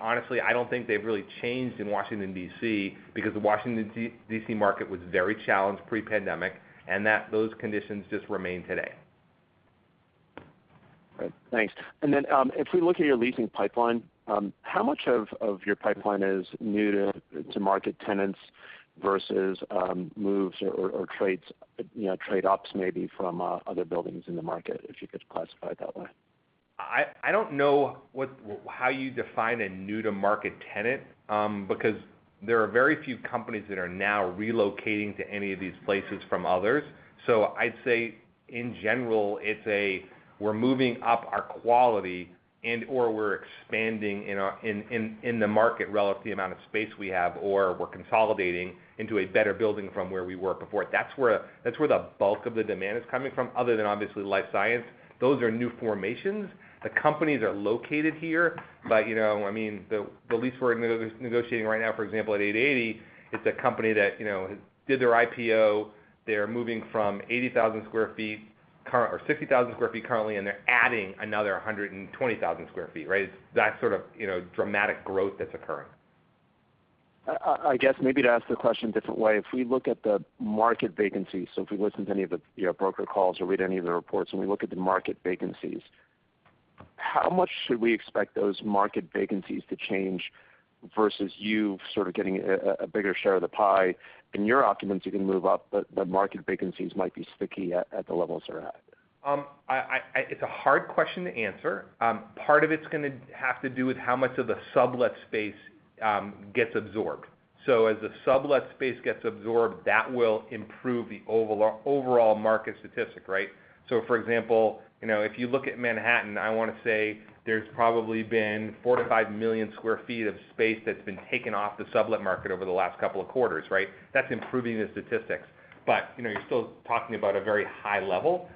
Honestly, I don't think they've really changed in Washington, D.C., because the Washington, D.C. market was very challenged pre-pandemic, and those conditions just remain today. All right. Thanks. Then, if we look at your leasing pipeline, how much of your pipeline is new to market tenants versus moves or trades, you know, trade ups maybe from other buildings in the market, if you could classify it that way? I don't know how you define a new-to-market tenant because there are very few companies that are now relocating to any of these places from others. I'd say in general, we're moving up our quality and/or we're expanding in the market relative to the amount of space we have, or we're consolidating into a better building from where we were before. That's where the bulk of the demand is coming from other than obviously life science. Those are new formations. The companies are located here, but you know I mean, the lease we're negotiating right now, for example, at 880, it's a company that you know did their IPO, they're moving from 80,000 sq ft or 60,000 sq ft currently, and they're adding another 120,000 sq ft, right? It's that sort of, you know, dramatic growth that's occurring. I guess maybe to ask the question a different way. If we look at the market vacancy, so if we listen to any of the, you know, broker calls or read any of the reports, and we look at the market vacancies, how much should we expect those market vacancies to change versus you sort of getting a bigger share of the pie and your occupancy can move up, but market vacancies might be sticky at the levels they're at? It's a hard question to answer. Part of it's gonna have to do with how much of the sublet space gets absorbed. As the sublet space gets absorbed, that will improve the overall market statistic, right? For example, you know, if you look at Manhattan, I want to say there's probably been 4-5 million sq ft of space that's been taken off the sublet market over the last couple of quarters, right? That's improving the statistics. You know, you're still talking about a very high level.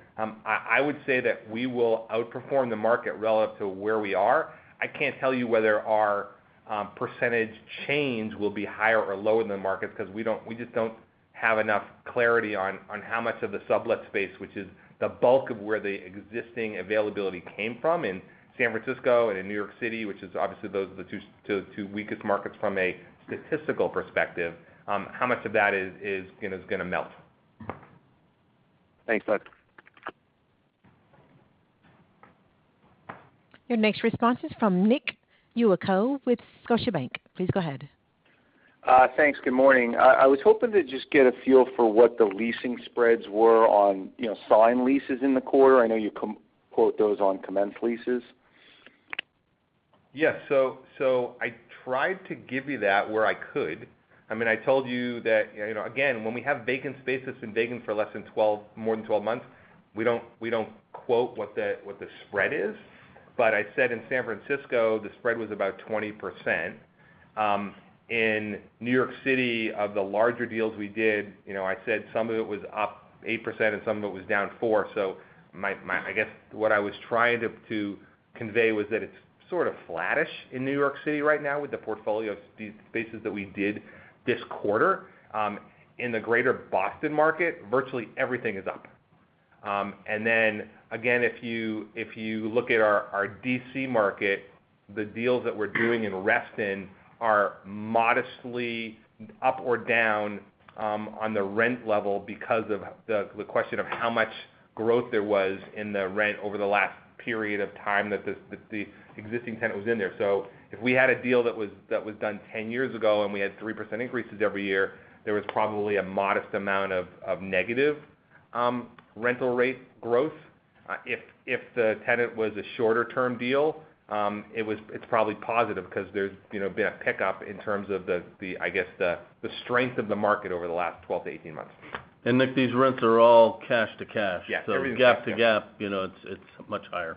I would say that we will outperform the market relative to where we are. I can't tell you whether our percentage change will be higher or lower than the markets because we just don't have enough clarity on how much of the sublet space, which is the bulk of where the existing availability came from in San Francisco and in New York City, which is obviously those are the two weakest markets from a statistical perspective, how much of that is, you know, gonna melt. Thanks, Doug. Your next response is from Nicholas Yulico with Scotiabank. Please go ahead. Thanks. Good morning. I was hoping to just get a feel for what the leasing spreads were on, you know, signed leases in the quarter. I know you quote those on commence leases. I tried to give you that where I could. I mean, I told you that, you know, again, when we have vacant space that's been vacant for more than 12 months, we don't quote what the spread is. I said in San Francisco, the spread was about 20%. In New York City, of the larger deals we did, you know, I said some of it was up 8% and some of it was down 4%. I guess what I was trying to convey was that it's sort of flattish in New York City right now with the portfolio of these spaces that we did this quarter. In the Greater Boston market, virtually everything is up. If you look at our D.C. market, the deals that we're doing in Reston are modestly up or down on the rent level because of the question of how much growth there was in the rent over the last period of time that the existing tenant was in there. If we had a deal that was done 10 years ago and we had 3% increases every year, there was probably a modest amount of negative rental rate growth. If the tenant was a shorter-term deal, it's probably positive because there's you know been a pickup in terms of the, I guess, the strength of the market over the last 12-18 months. Nick, these rents are all cash to cash. Yeah. Everything's cash to cash. GAAP to GAAP, you know, it's much higher.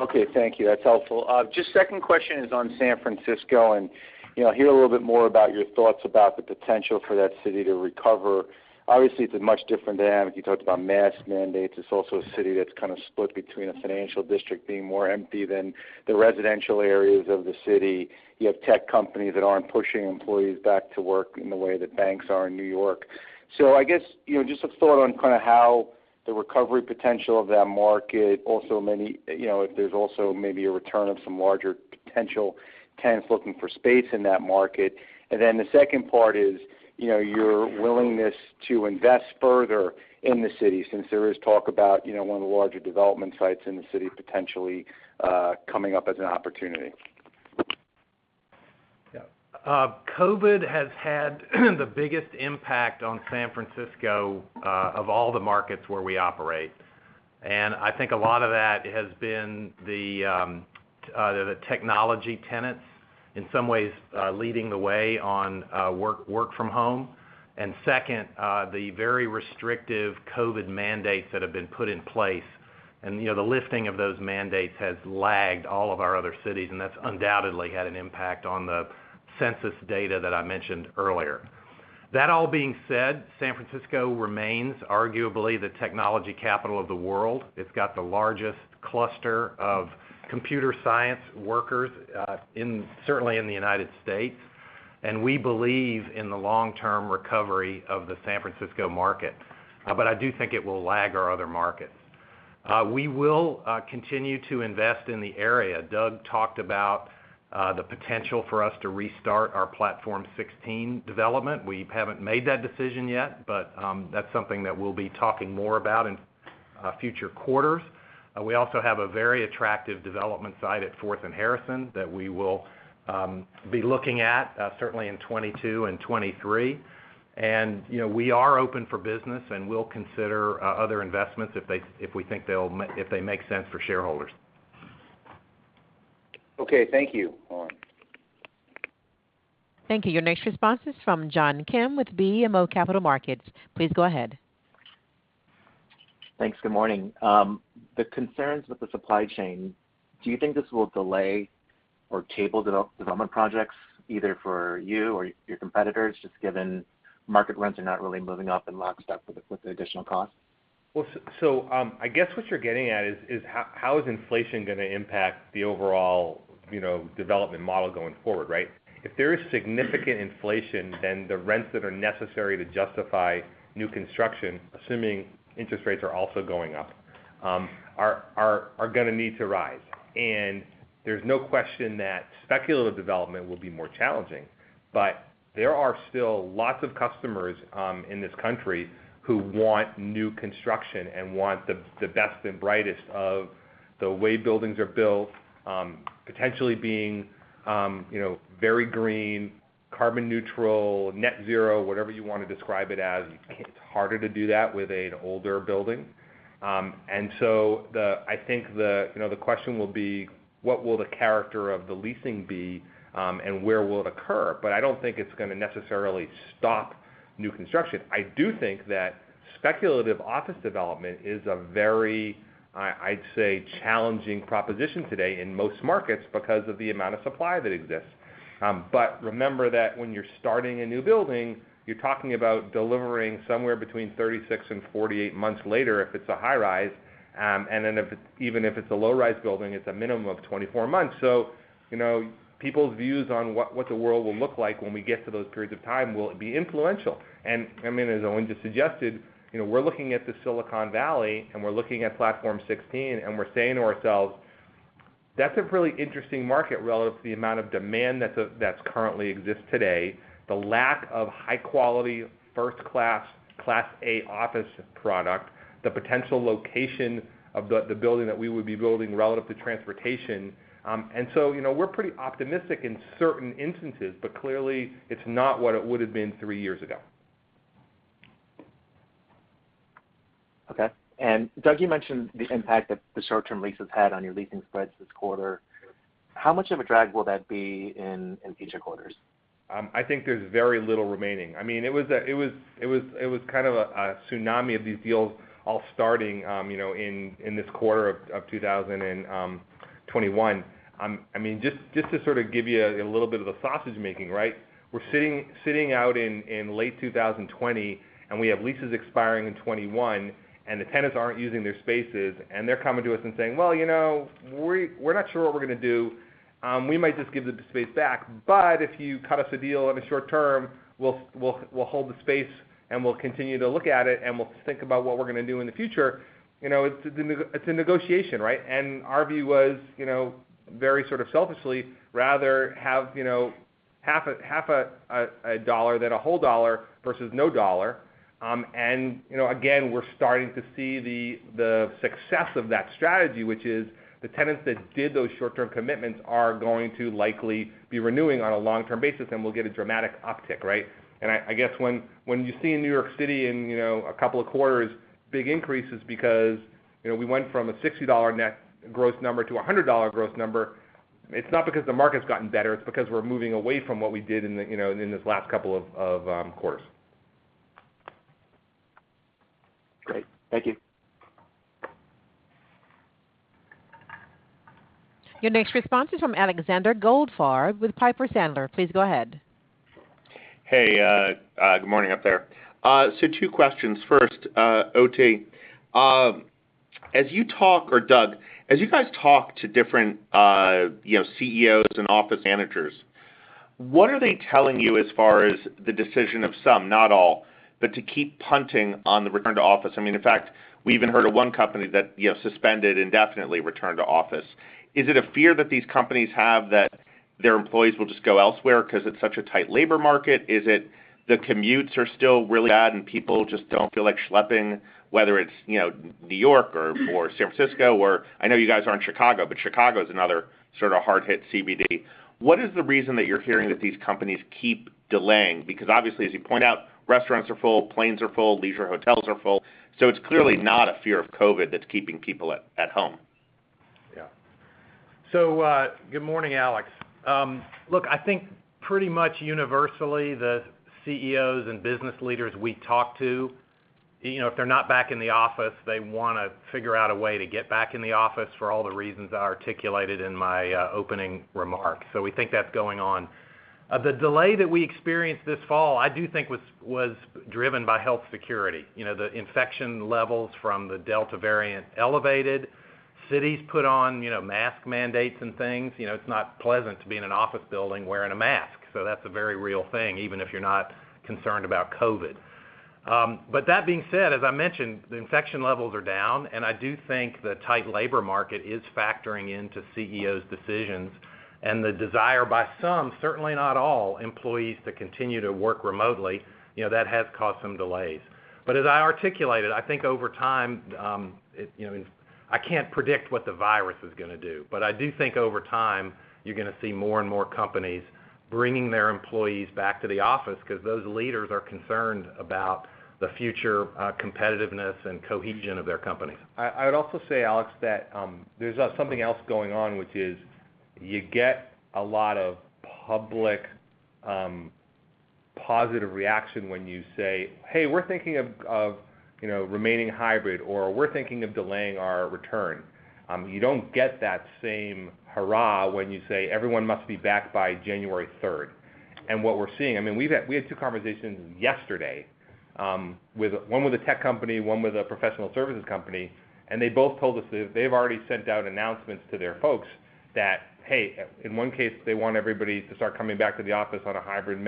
Okay. Thank you. That's helpful. My second question is on San Francisco, and you know, I'd like to hear a little bit more about your thoughts about the potential for that city to recover. Obviously, it's a much different dynamic. You talked about mask mandates. It's also a city that's kind of split between a financial district being more empty than the residential areas of the city. You have tech companies that aren't pushing employees back to work in the way that banks are in New York. I guess, you know, your thoughts on kind of how the recovery potential of that market. Also, maybe, you know, if there's also maybe a return of some larger potential tenants looking for space in that market. The second part is, you know, your willingness to invest further in the city since there is talk about, you know, one of the larger development sites in the city potentially coming up as an opportunity. Yeah. COVID has had the biggest impact on San Francisco, of all the markets where we operate. I think a lot of that has been the technology tenants, in some ways, leading the way on work from home, and second, the very restrictive COVID mandates that have been put in place. You know, the lifting of those mandates has lagged all of our other cities, and that's undoubtedly had an impact on the census data that I mentioned earlier. That all being said, San Francisco remains arguably the technology capital of the world. It's got the largest cluster of computer science workers, certainly in the United States, and we believe in the long-term recovery of the San Francisco market. I do think it will lag our other markets. We will continue to invest in the area. Doug talked about the potential for us to restart our Platform 16 development. We haven't made that decision yet, but that's something that we'll be talking more about in future quarters. We also have a very attractive development site at Fourth and Harrison that we will be looking at certainly in 2022 and 2023. You know, we are open for business, and we'll consider other investments if they make sense for shareholders. Okay. Thank you. Over. Thank you. Your next response is from John Kim with BMO Capital Markets. Please go ahead. Thanks. Good morning. The concerns with the supply chain, do you think this will delay or table development projects, either for you or your competitors, just given market rents are not really moving up in lockstep with the additional cost? Well, I guess what you're getting at is how is inflation gonna impact the overall, you know, development model going forward, right? If there is significant inflation, then the rents that are necessary to justify new construction, assuming interest rates are also going up, are gonna need to rise. There's no question that speculative development will be more challenging. There are still lots of customers in this country who want new construction and want the best and brightest of the way buildings are built, potentially being, you know, very green, carbon neutral, net zero, whatever you want to describe it as. It's harder to do that with an older building. I think the question will be, what will the character of the leasing be, and where will it occur? I don't think it's gonna necessarily stop new construction. I do think that speculative office development is a very, I'd say, challenging proposition today in most markets because of the amount of supply that exists. Remember that when you're starting a new building, you're talking about delivering somewhere between 36-48 months later if it's a high rise, and then even if it's a low-rise building, it's a minimum of 24 months. You know, people's views on what the world will look like when we get to those periods of time will be influential. I mean, as Owen just suggested, you know, we're looking at the Silicon Valley, and we're looking at Platform 16, and we're saying to ourselves, "That's a really interesting market relative to the amount of demand that's currently exists today, the lack of high quality, first-class, class A office product, the potential location of the building that we would be building relative to transportation." You know, we're pretty optimistic in certain instances, but clearly, it's not what it would have been three years ago. Okay. Doug, you mentioned the impact that the short-term lease has had on your leasing spreads this quarter. How much of a drag will that be in future quarters? I think there's very little remaining. I mean, it was kind of a tsunami of these deals all starting, you know, in this quarter of 2021. I mean, just to sort of give you a little bit of the sausage making, right? We're sitting out in late 2020, and we have leases expiring in 2021, and the tenants aren't using their spaces, and they're coming to us and saying, "Well, you know, we're not sure what we're gonna do. we might just give the space back, but if you cut us a deal on a short term, we'll hold the space, and we'll continue to look at it, and we'll think about what we're gonna do in the future." You know, it's a negotiation, right? Our view was, you know, very sort of selfishly, rather have, you know, half a dollar than a whole dollar versus no dollar. You know, again, we're starting to see the success of that strategy, which is the tenants that did those short-term commitments are going to likely be renewing on a long-term basis, and we'll get a dramatic uptick, right? I guess when you see in New York City, in a couple of quarters, big increases because, you know, we went from a $60 net gross number to a $100 gross number. It's not because the market's gotten better, it's because we're moving away from what we did in the, you know, in this last couple of quarters. Great. Thank you. Your next response is from Alexander Goldfarb with Piper Sandler. Please go ahead. Hey, good morning up there. So two questions. First, OT, as you guys talk to different, you know, CEOs and office managers, what are they telling you as far as the decision of some, not all, but to keep punting on the return to office? I mean, in fact, we even heard of one company that, you know, suspended indefinitely return to office. Is it a fear that these companies have that their employees will just go elsewhere because it's such a tight labor market? Is it the commutes are still really bad and people just don't feel like schlepping, whether it's, you know, New York or San Francisco or I know you guys aren't in Chicago, but Chicago is another sort of hard hit CBD. What is the reason that you're hearing that these companies keep delaying? Because obviously, as you point out, restaurants are full, planes are full, leisure hotels are full. It's clearly not a fear of COVID that's keeping people at home. Yeah. Good morning, Alex. Look, I think pretty much universally the CEOs and business leaders we talk to, you know, if they're not back in the office, they want to figure out a way to get back in the office for all the reasons I articulated in my opening remarks. We think that's going on. The delay that we experienced this fall, I do think was driven by health security. You know, the infection levels from the Delta variant elevated. Cities put on, you know, mask mandates and things. You know, it's not pleasant to be in an office building wearing a mask. That's a very real thing, even if you're not concerned about COVID. That being said, as I mentioned, the infection levels are down, and I do think the tight labor market is factoring into CEOs' decisions and the desire by some, certainly not all employees, to continue to work remotely. You know, that has caused some delays. As I articulated, I think over time, you know, I can't predict what the virus is gonna do, but I do think over time, you're gonna see more and more companies bringing their employees back to the office because those leaders are concerned about the future, competitiveness and cohesion of their companies. I would also say, Alex, that there's something else going on, which is you get a lot of public positive reaction when you say, "Hey, we're thinking of, you know, remaining hybrid," or, "We're thinking of delaying our return." You don't get that same hurrah when you say, "Everyone must be back by January third." What we're seeing, I mean, we had two conversations yesterday with... One with a tech company, one with a professional services company, and they both told us that they've already sent out announcements to their folks that, "Hey," in one case, they want everybody to start coming back to the office on a hybrid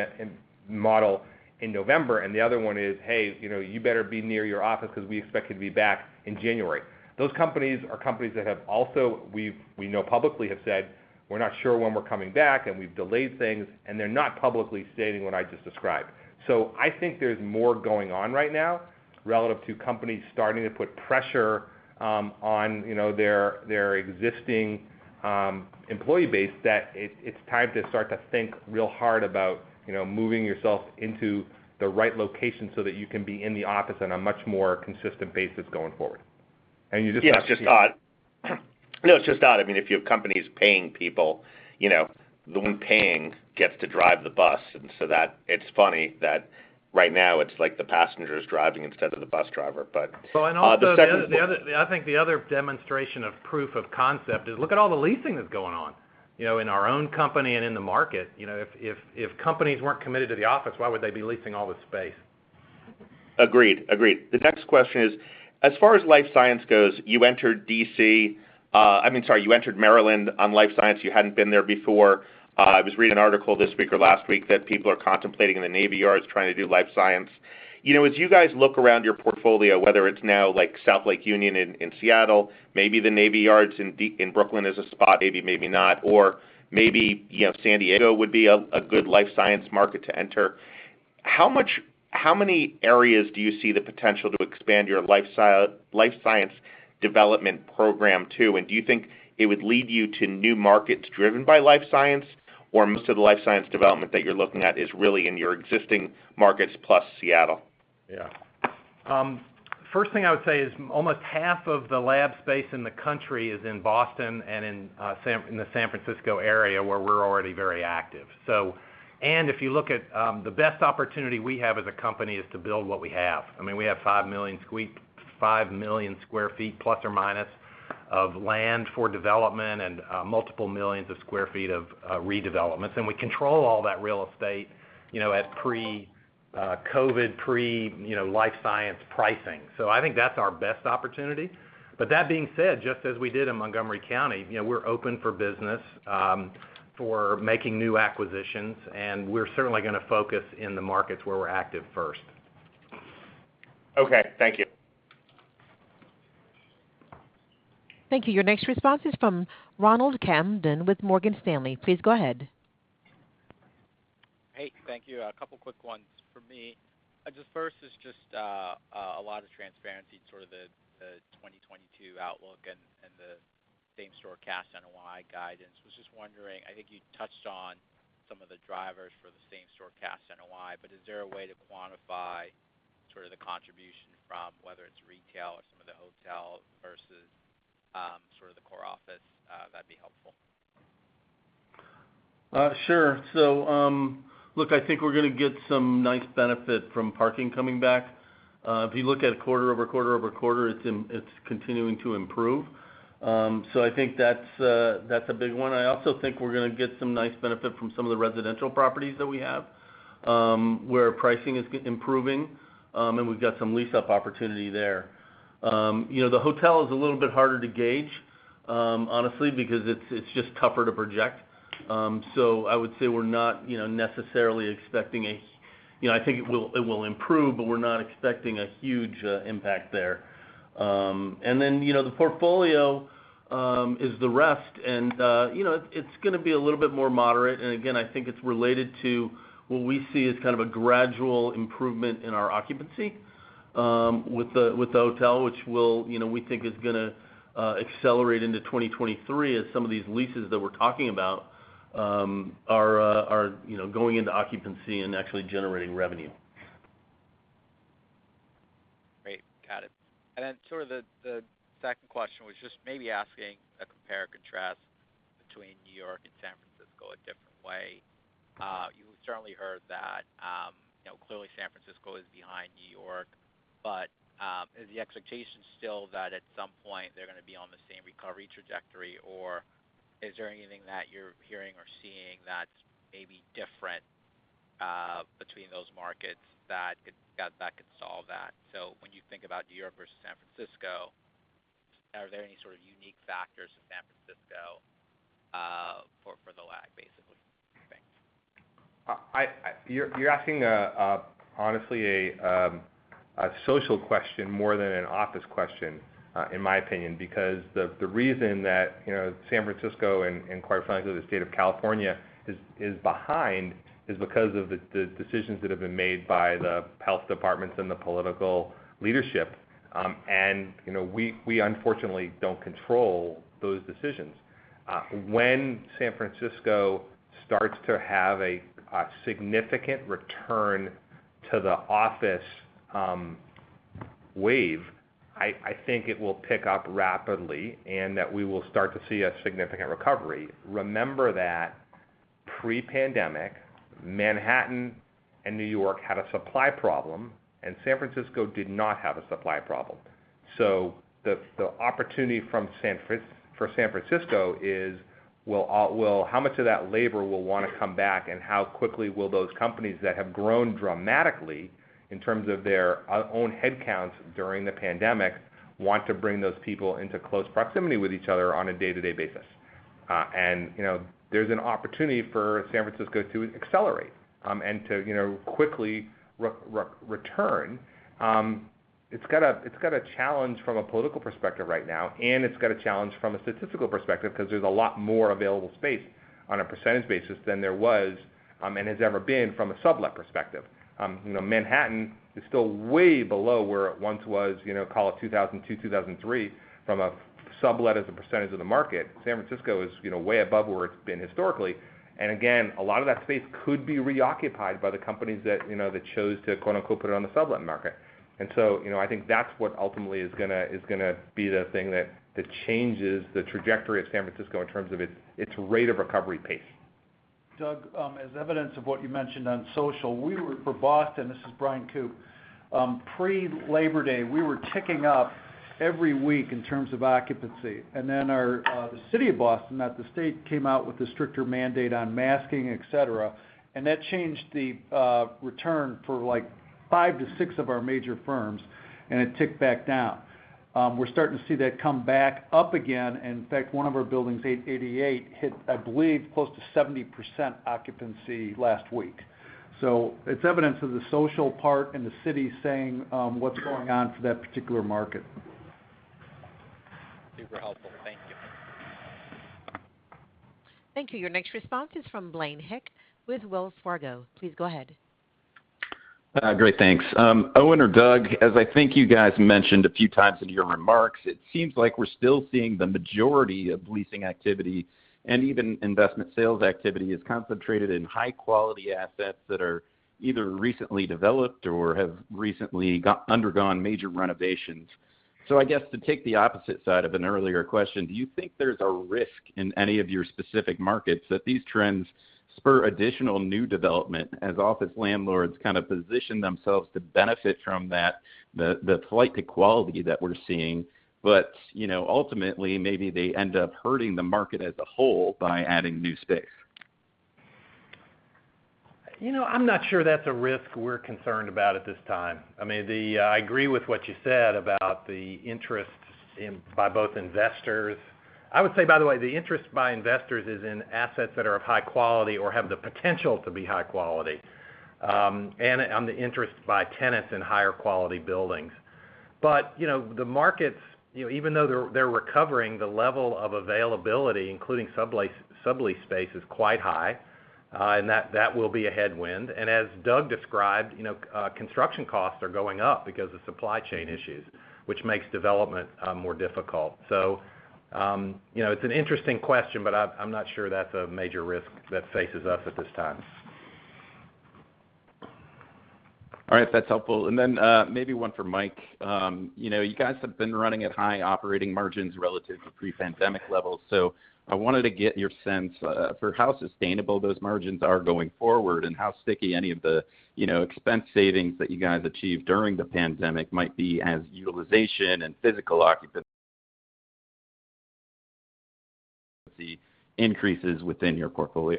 model in November, and the other one is, "Hey, you know, you better be near your office because we expect you to be back in January." Those companies are companies that have also, we know publicly have said, "We're not sure when we're coming back, and we've delayed things," and they're not publicly stating what I just described. I think there's more going on right now relative to companies starting to put pressure on you know their existing employee base that it's time to start to think real hard about you know moving yourself into the right location so that you can be in the office on a much more consistent basis going forward. You just- It's just odd. I mean, if you have companies paying people, you know, the one paying gets to drive the bus. That it's funny that right now it's like the passenger is driving instead of the bus driver. But the second- I think the other demonstration of proof of concept is look at all the leasing that's going on, you know, in our own company and in the market. You know, if companies weren't committed to the office, why would they be leasing all this space? Agreed. The next question is, as far as life science goes, you entered D.C., I mean, sorry, you entered Maryland on life science. You hadn't been there before. I was reading an article this week or last week that people are contemplating in the Navy Yards trying to do life science. You know, as you guys look around your portfolio, whether it's now like South Lake Union in Seattle, maybe the Navy Yards in Brooklyn is a spot, maybe not, or maybe, you know, San Diego would be a good life science market to enter. How many areas do you see the potential to expand your life science development program to? Do you think it would lead you to new markets driven by life science, or most of the life science development that you're looking at is really in your existing markets plus Seattle? Yeah. First thing I would say is almost half of the lab space in the country is in Boston and in San Francisco area, where we're already very active. If you look at the best opportunity we have as a company is to build what we have. I mean, we have 5 million sq ft, plus or minus, of land for development and multiple millions of sq ft of redevelopments. We control all that real estate, you know, at pre COVID, pre life science pricing. I think that's our best opportunity. But that being said, just as we did in Montgomery County, you know, we're open for business for making new acquisitions, and we're certainly gonna focus in the markets where we're active first. Okay. Thank you. Thank you. Your next response is from Ronald Kamdem with Morgan Stanley. Please go ahead. Hey, thank you. A couple quick ones for me. Just first is just a lot of transparency, sort of the 2022 outlook and the same-store cash NOI guidance. I was just wondering, I think you touched on some of the drivers for the same-store cash NOI, but is there a way to quantify sort of the contribution from whether it's retail or some of the hotel versus sort of the core office? That'd be helpful. Sure. Look, I think we're gonna get some nice benefit from parking coming back. If you look at quarter over quarter over quarter, it's continuing to improve. I think that's a big one. I also think we're gonna get some nice benefit from some of the residential properties that we have, where pricing is improving, and we've got some lease up opportunity there. You know, the hotel is a little bit harder to gauge, honestly because it's just tougher to project. I would say, you know, I think it will improve, but we're not expecting a huge impact there. You know, the portfolio is the rest and it's gonna be a little bit more moderate. I think it's related to what we see as kind of a gradual improvement in our occupancy with the hotel, which we think is gonna accelerate into 2023 as some of these leases that we're talking about are going into occupancy and actually generating revenue. Great. Got it. Sort of the second question was just maybe asking a compare or contrast between New York and San Francisco a different way. You certainly heard that, you know, clearly San Francisco is behind New York, but is the expectation still that at some point they're gonna be on the same recovery trajectory? Or is there anything that you're hearing or seeing that's maybe different between those markets that could solve that? When you think about New York versus San Francisco, are there any sort of unique factors in San Francisco for the lag, basically? Thanks. You're asking honestly a social question more than an office question, in my opinion, because the reason that you know, San Francisco and quite frankly, the state of California is behind is because of the decisions that have been made by the health departments and the political leadership. You know, we unfortunately don't control those decisions. When San Francisco starts to have a significant return to the office wave, I think it will pick up rapidly and that we will start to see a significant recovery. Remember that pre-pandemic, Manhattan and New York had a supply problem, and San Francisco did not have a supply problem. The opportunity from San Francisco is, how much of that labor will want to come back, and how quickly will those companies that have grown dramatically in terms of their own headcounts during the pandemic want to bring those people into close proximity with each other on a day-to-day basis? You know, there's an opportunity for San Francisco to accelerate and to quickly return. It's got a challenge from a political perspective right now, and it's got a challenge from a statistical perspective because there's a lot more available space on a percentage basis than there was and has ever been from a sublet perspective. You know, Manhattan is still way below where it once was, you know, call it 2002, 2003, from a sublet as a percentage of the market. San Francisco is, you know, way above where it's been historically. Again, a lot of that space could be reoccupied by the companies that, you know, that chose to, quote, unquote, "put it on the sublet market." You know, I think that's what ultimately is gonna be the thing that changes the trajectory of San Francisco in terms of its rate of recovery pace. Doug, as evidence of what you mentioned on social, we were for Boston. This is Bryan Koop. Pre-Labor Day, we were ticking up every week in terms of occupancy. Our, the city of Boston, not the state, came out with a stricter mandate on masking, et cetera, and that changed the return for like five-six of our major firms, and it ticked back down. We're starting to see that come back up again. In fact, one of our buildings, 888, hit, I believe, close to 70% occupancy last week. It's evidence of the social part and the city saying, what's going on for that particular market. Super helpful. Thank you. Thank you. Your next response is from Blaine Heck with Wells Fargo. Please go ahead. Great. Thanks. Owen or Doug, as I think you guys mentioned a few times in your remarks, it seems like we're still seeing the majority of leasing activity and even investment sales activity is concentrated in high quality assets that are either recently developed or have recently undergone major renovations. I guess to take the opposite side of an earlier question, do you think there's a risk in any of your specific markets that these trends spur additional new development as office landlords kind of position themselves to benefit from that, the flight to quality that we're seeing, but you know, ultimately maybe they end up hurting the market as a whole by adding new space? You know, I'm not sure that's a risk we're concerned about at this time. I mean, I agree with what you said about the interest by both investors. I would say, by the way, the interest by investors is in assets that are of high quality or have the potential to be high quality, and on the interest by tenants in higher quality buildings. You know, the markets, you know, even though they're recovering, the level of availability, including sublease space is quite high, and that will be a headwind. As Doug described, you know, construction costs are going up because of supply chain issues, which makes development more difficult. You know, it's an interesting question, but I'm not sure that's a major risk that faces us at this time. All right. That's helpful. Maybe one for Mike. You know, you guys have been running at high operating margins relative to pre-pandemic levels. I wanted to get your sense for how sustainable those margins are going forward and how sticky any of the, you know, expense savings that you guys achieved during the pandemic might be as utilization and physical occupancy increases within your portfolio.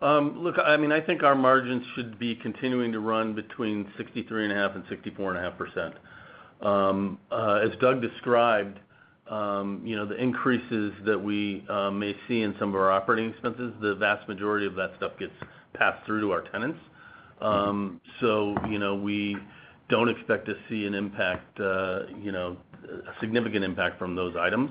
Look, I mean, I think our margins should be continuing to run between 63.5% and 64.5%. As Doug described, you know, the increases that we may see in some of our operating expenses, the vast majority of that stuff gets passed through to our tenants. You know, we don't expect to see an impact, you know, a significant impact from those items.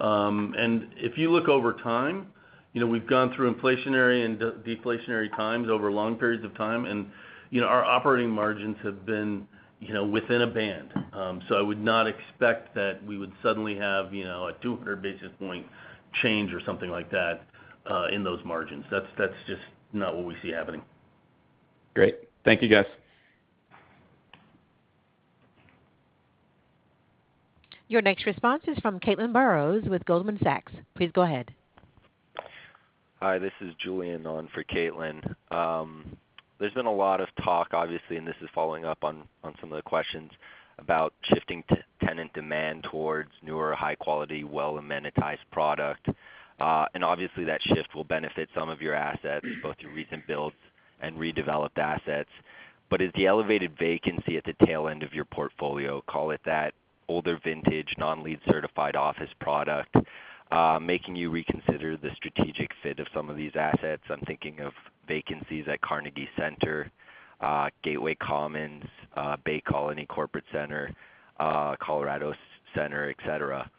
If you look over time, you know, we've gone through inflationary and deflationary times over long periods of time, and, you know, our operating margins have been, you know, within a band. I would not expect that we would suddenly have, you know, a 200 basis point change or something like that, in those margins. That's just not what we see happening. Great. Thank you, guys. Your next response is from Caitlin Burrows with Goldman Sachs. Please go ahead. Hi, this is Julian on for Caitlin. There's been a lot of talk, obviously, and this is following up on some of the questions about shifting tenant demand towards newer, high-quality, well-amenitized product. Obviously, that shift will benefit some of your assets, both your recent builds and redeveloped assets. Is the elevated vacancy at the tail end of your portfolio, call it that, older vintage, non-LEED certified office product, making you reconsider the strategic fit of some of these assets? I'm thinking of vacancies at Carnegie Center, Gateway, Bay Colony Corporate Center, Colorado Center, et cetera.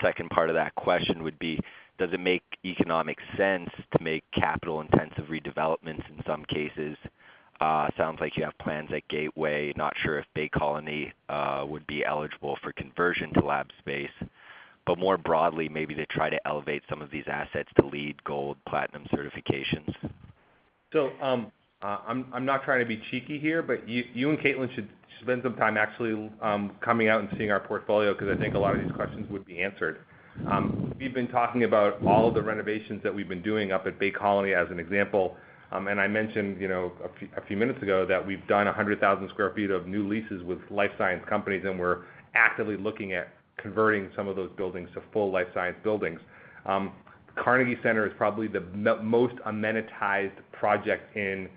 Second part of that question would be, does it make economic sense to make capital-intensive redevelopments in some cases? Sounds like you have plans at Gateway. Not sure if Bay Colony would be eligible for conversion to lab space, but more broadly, maybe to try to elevate some of these assets to LEED Gold Platinum certifications. I'm not trying to be cheeky here, but you and Caitlin should spend some time actually coming out and seeing our portfolio because I think a lot of these questions would be answered. We've been talking about all of the renovations that we've been doing up at Bay Colony as an example. I mentioned, you know, a few minutes ago that we've done 100,000 sq ft of new leases with life science companies, and we're actively looking at converting some of those buildings to full life science buildings. Carnegie Center is probably the most amenitized project in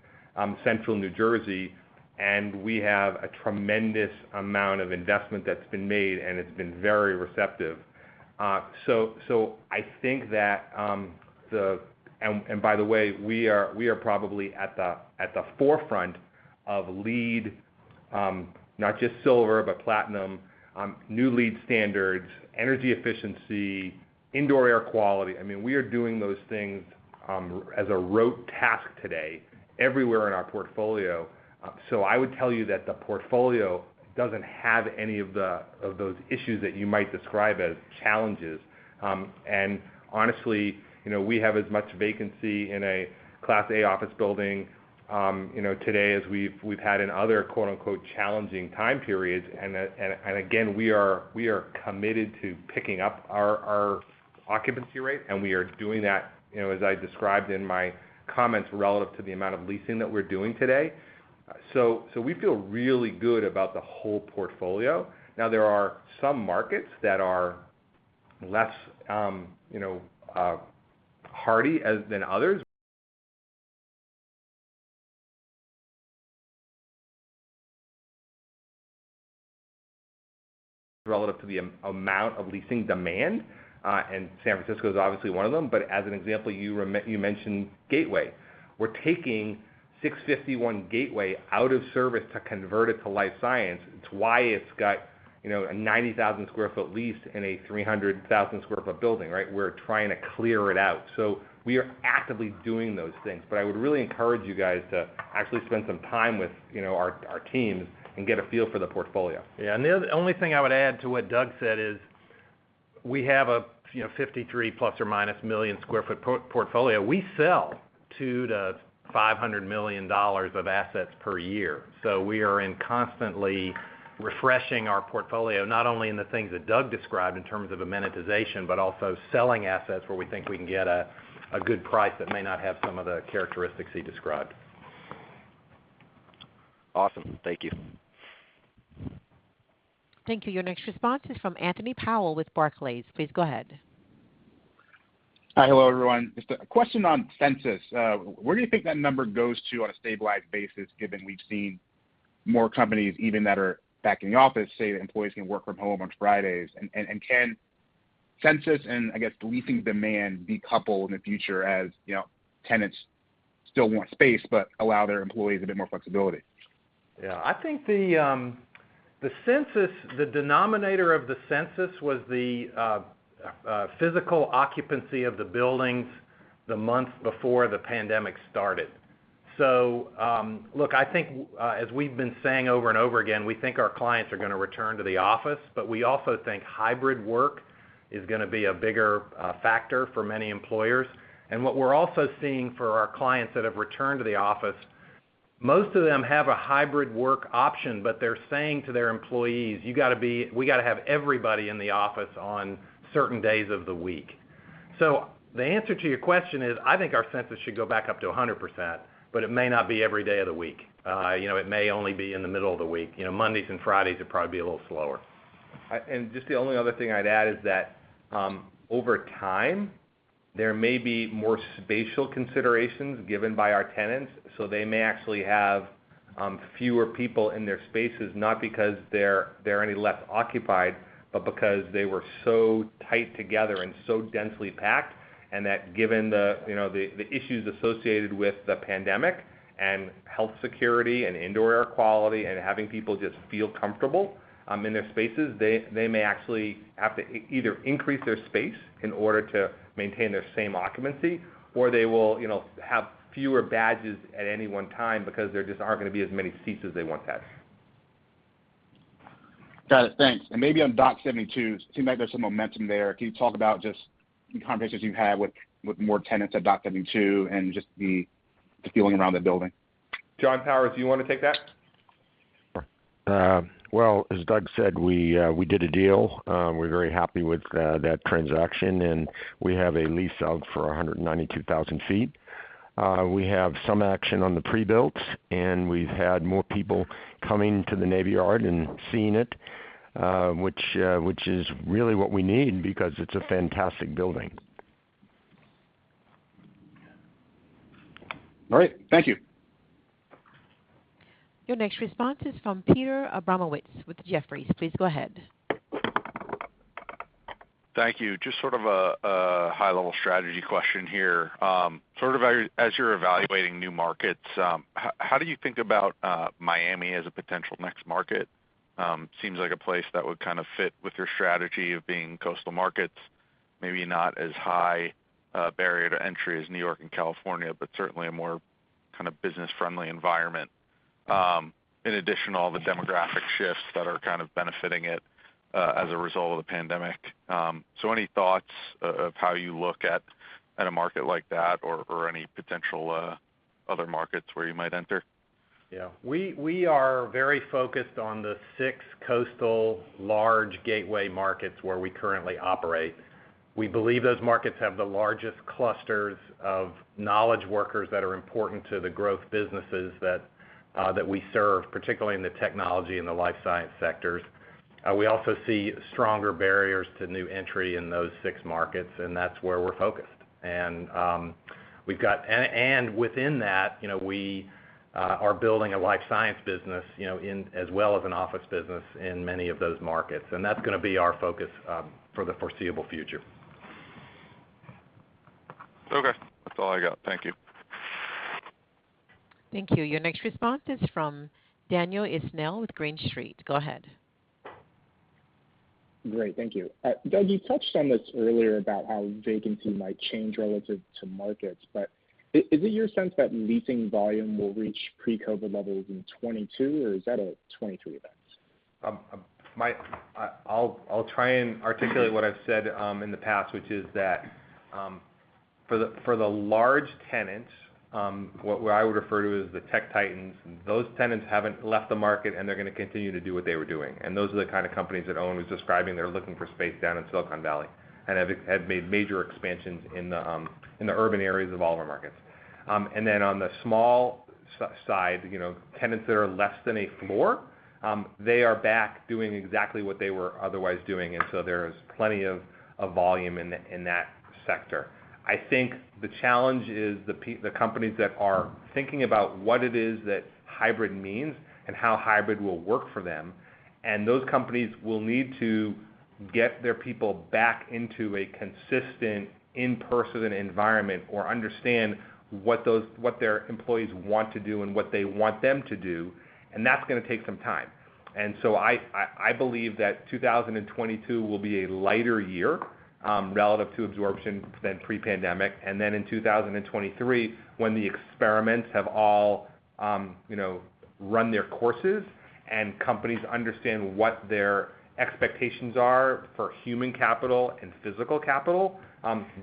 central New Jersey, and we have a tremendous amount of investment that's been made, and it's been very receptive. By the way, we are probably at the forefront of LEED, not just silver, but platinum, new LEED standards, energy efficiency, indoor air quality. I mean, we are doing those things as a rote task today everywhere in our portfolio. I would tell you that the portfolio doesn't have any of those issues that you might describe as challenges. Honestly, you know, we have as much vacancy in a Class A office building, you know, today as we've had in other quote-unquote challenging time periods. Again, we are committed to picking up our occupancy rate, and we are doing that, you know, as I described in my comments relative to the amount of leasing that we're doing today. We feel really good about the whole portfolio. Now, there are some markets that are less, you know, hardier than others relative to the amount of leasing demand, and San Francisco is obviously one of them. As an example, you mentioned Gateway. We're taking 651 Gateway out of service to convert it to life science. It's why it's got, you know, a 90,000 sq ft lease in a 300,000 sq ft building, right? We're trying to clear it out. We are actively doing those things. I would really encourage you guys to actually spend some time with, you know, our teams and get a feel for the portfolio. Yeah. The only thing I would add to what Doug said is we have a, you know, 53 ± million sq ft portfolio. We sell $200 million-$500 million of assets per year. We are constantly refreshing our portfolio, not only in the things that Doug described in terms of amenitization, but also selling assets where we think we can get a good price that may not have some of the characteristics he described. Awesome. Thank you. Thank you. Your next response is from Anthony Paolone with Barclays. Please go ahead. Hi. Hello, everyone. Just a question on census. Where do you think that number goes to on a stabilized basis, given we've seen more companies even that are back in the office say that employees can work from home on Fridays? Can census and, I guess, the leasing demand be coupled in the future as, you know, tenants still want space but allow their employees a bit more flexibility? Yeah. I think the census, the denominator of the census was the physical occupancy of the buildings the month before the pandemic started. Look, I think, as we've been saying over and over again, we think our clients are gonna return to the office, but we also think hybrid work is gonna be a bigger factor for many employers. What we're also seeing for our clients that have returned to the office Most of them have a hybrid work option, but they're saying to their employees, "we gotta have everybody in the office on certain days of the week." The answer to your question is, I think our consensus should go back up to 100%, but it may not be every day of the week. You know, it may only be in the middle of the week. You know, Mondays and Fridays would probably be a little slower. Just the only other thing I'd add is that over time, there may be more spatial considerations given by our tenants. They may actually have fewer people in their spaces, not because they're any less occupied, but because they were so tight together and so densely packed, and that given the, you know, the issues associated with the pandemic and health security and indoor air quality and having people just feel comfortable in their spaces, they may actually have to either increase their space in order to maintain their same occupancy, or they will, you know, have fewer badges at any one time because there just aren't gonna be as many seats as they once had. Got it. Thanks. Maybe on Dock 72, it seems like there's some momentum there. Can you talk about just the conversations you've had with more tenants at Dock 72 and just the feeling around the building? John Powers, do you want to take that? Sure. Well, as Doug said, we did a deal. We're very happy with that transaction, and we have a lease out for 192,000 sq ft. We have some action on the pre-builts, and we've had more people coming to the Navy Yard and seeing it, which is really what we need because it's a fantastic building. All right. Thank you. Your next response is from Peter Abramowitz with Deutsche Bank. Please go ahead. Thank you. Just sort of a high-level strategy question here. Sort of as you're evaluating new markets, how do you think about Miami as a potential next market? Seems like a place that would kind of fit with your strategy of being coastal markets, maybe not as high barrier to entry as New York and California, but certainly a more kind of business-friendly environment. In addition, all the demographic shifts that are kind of benefiting it as a result of the pandemic. Any thoughts of how you look at a market like that or any potential other markets where you might enter? Yeah. We are very focused on the six coastal large gateway markets where we currently operate. We believe those markets have the largest clusters of knowledge workers that are important to the growth businesses that we serve, particularly in the technology and the life science sectors. We also see stronger barriers to new entry in those six markets, and that's where we're focused. Within that, you know, we are building a life science business, you know, as well as an office business in many of those markets, and that's gonna be our focus for the foreseeable future. Okay. That's all I got. Thank you. Thank you. Your next response is from Daniel Ismail with Green Street. Go ahead. Great. Thank you. Doug, you touched on this earlier about how vacancy might change relative to markets, but is it your sense that leasing volume will reach pre-COVID levels in 2022, or is that a 2023 event? I'll try and articulate what I've said in the past, which is that for the large tenants, what I would refer to as the tech titans, those tenants haven't left the market, and they're gonna continue to do what they were doing. Those are the kind of companies that Owen was describing. They're looking for space down in Silicon Valley and have made major expansions in the urban areas of all of our markets. Then on the small side, you know, tenants that are less than a floor, they are back doing exactly what they were otherwise doing. There's plenty of volume in that sector. I think the challenge is the companies that are thinking about what it is that hybrid means and how hybrid will work for them. Those companies will need to get their people back into a consistent in-person environment or understand what their employees want to do and what they want them to do, and that's gonna take some time. I believe that 2022 will be a lighter year relative to absorption than pre-pandemic. In 2023, when the experiments have all you know run their courses and companies understand what their expectations are for human capital and physical capital,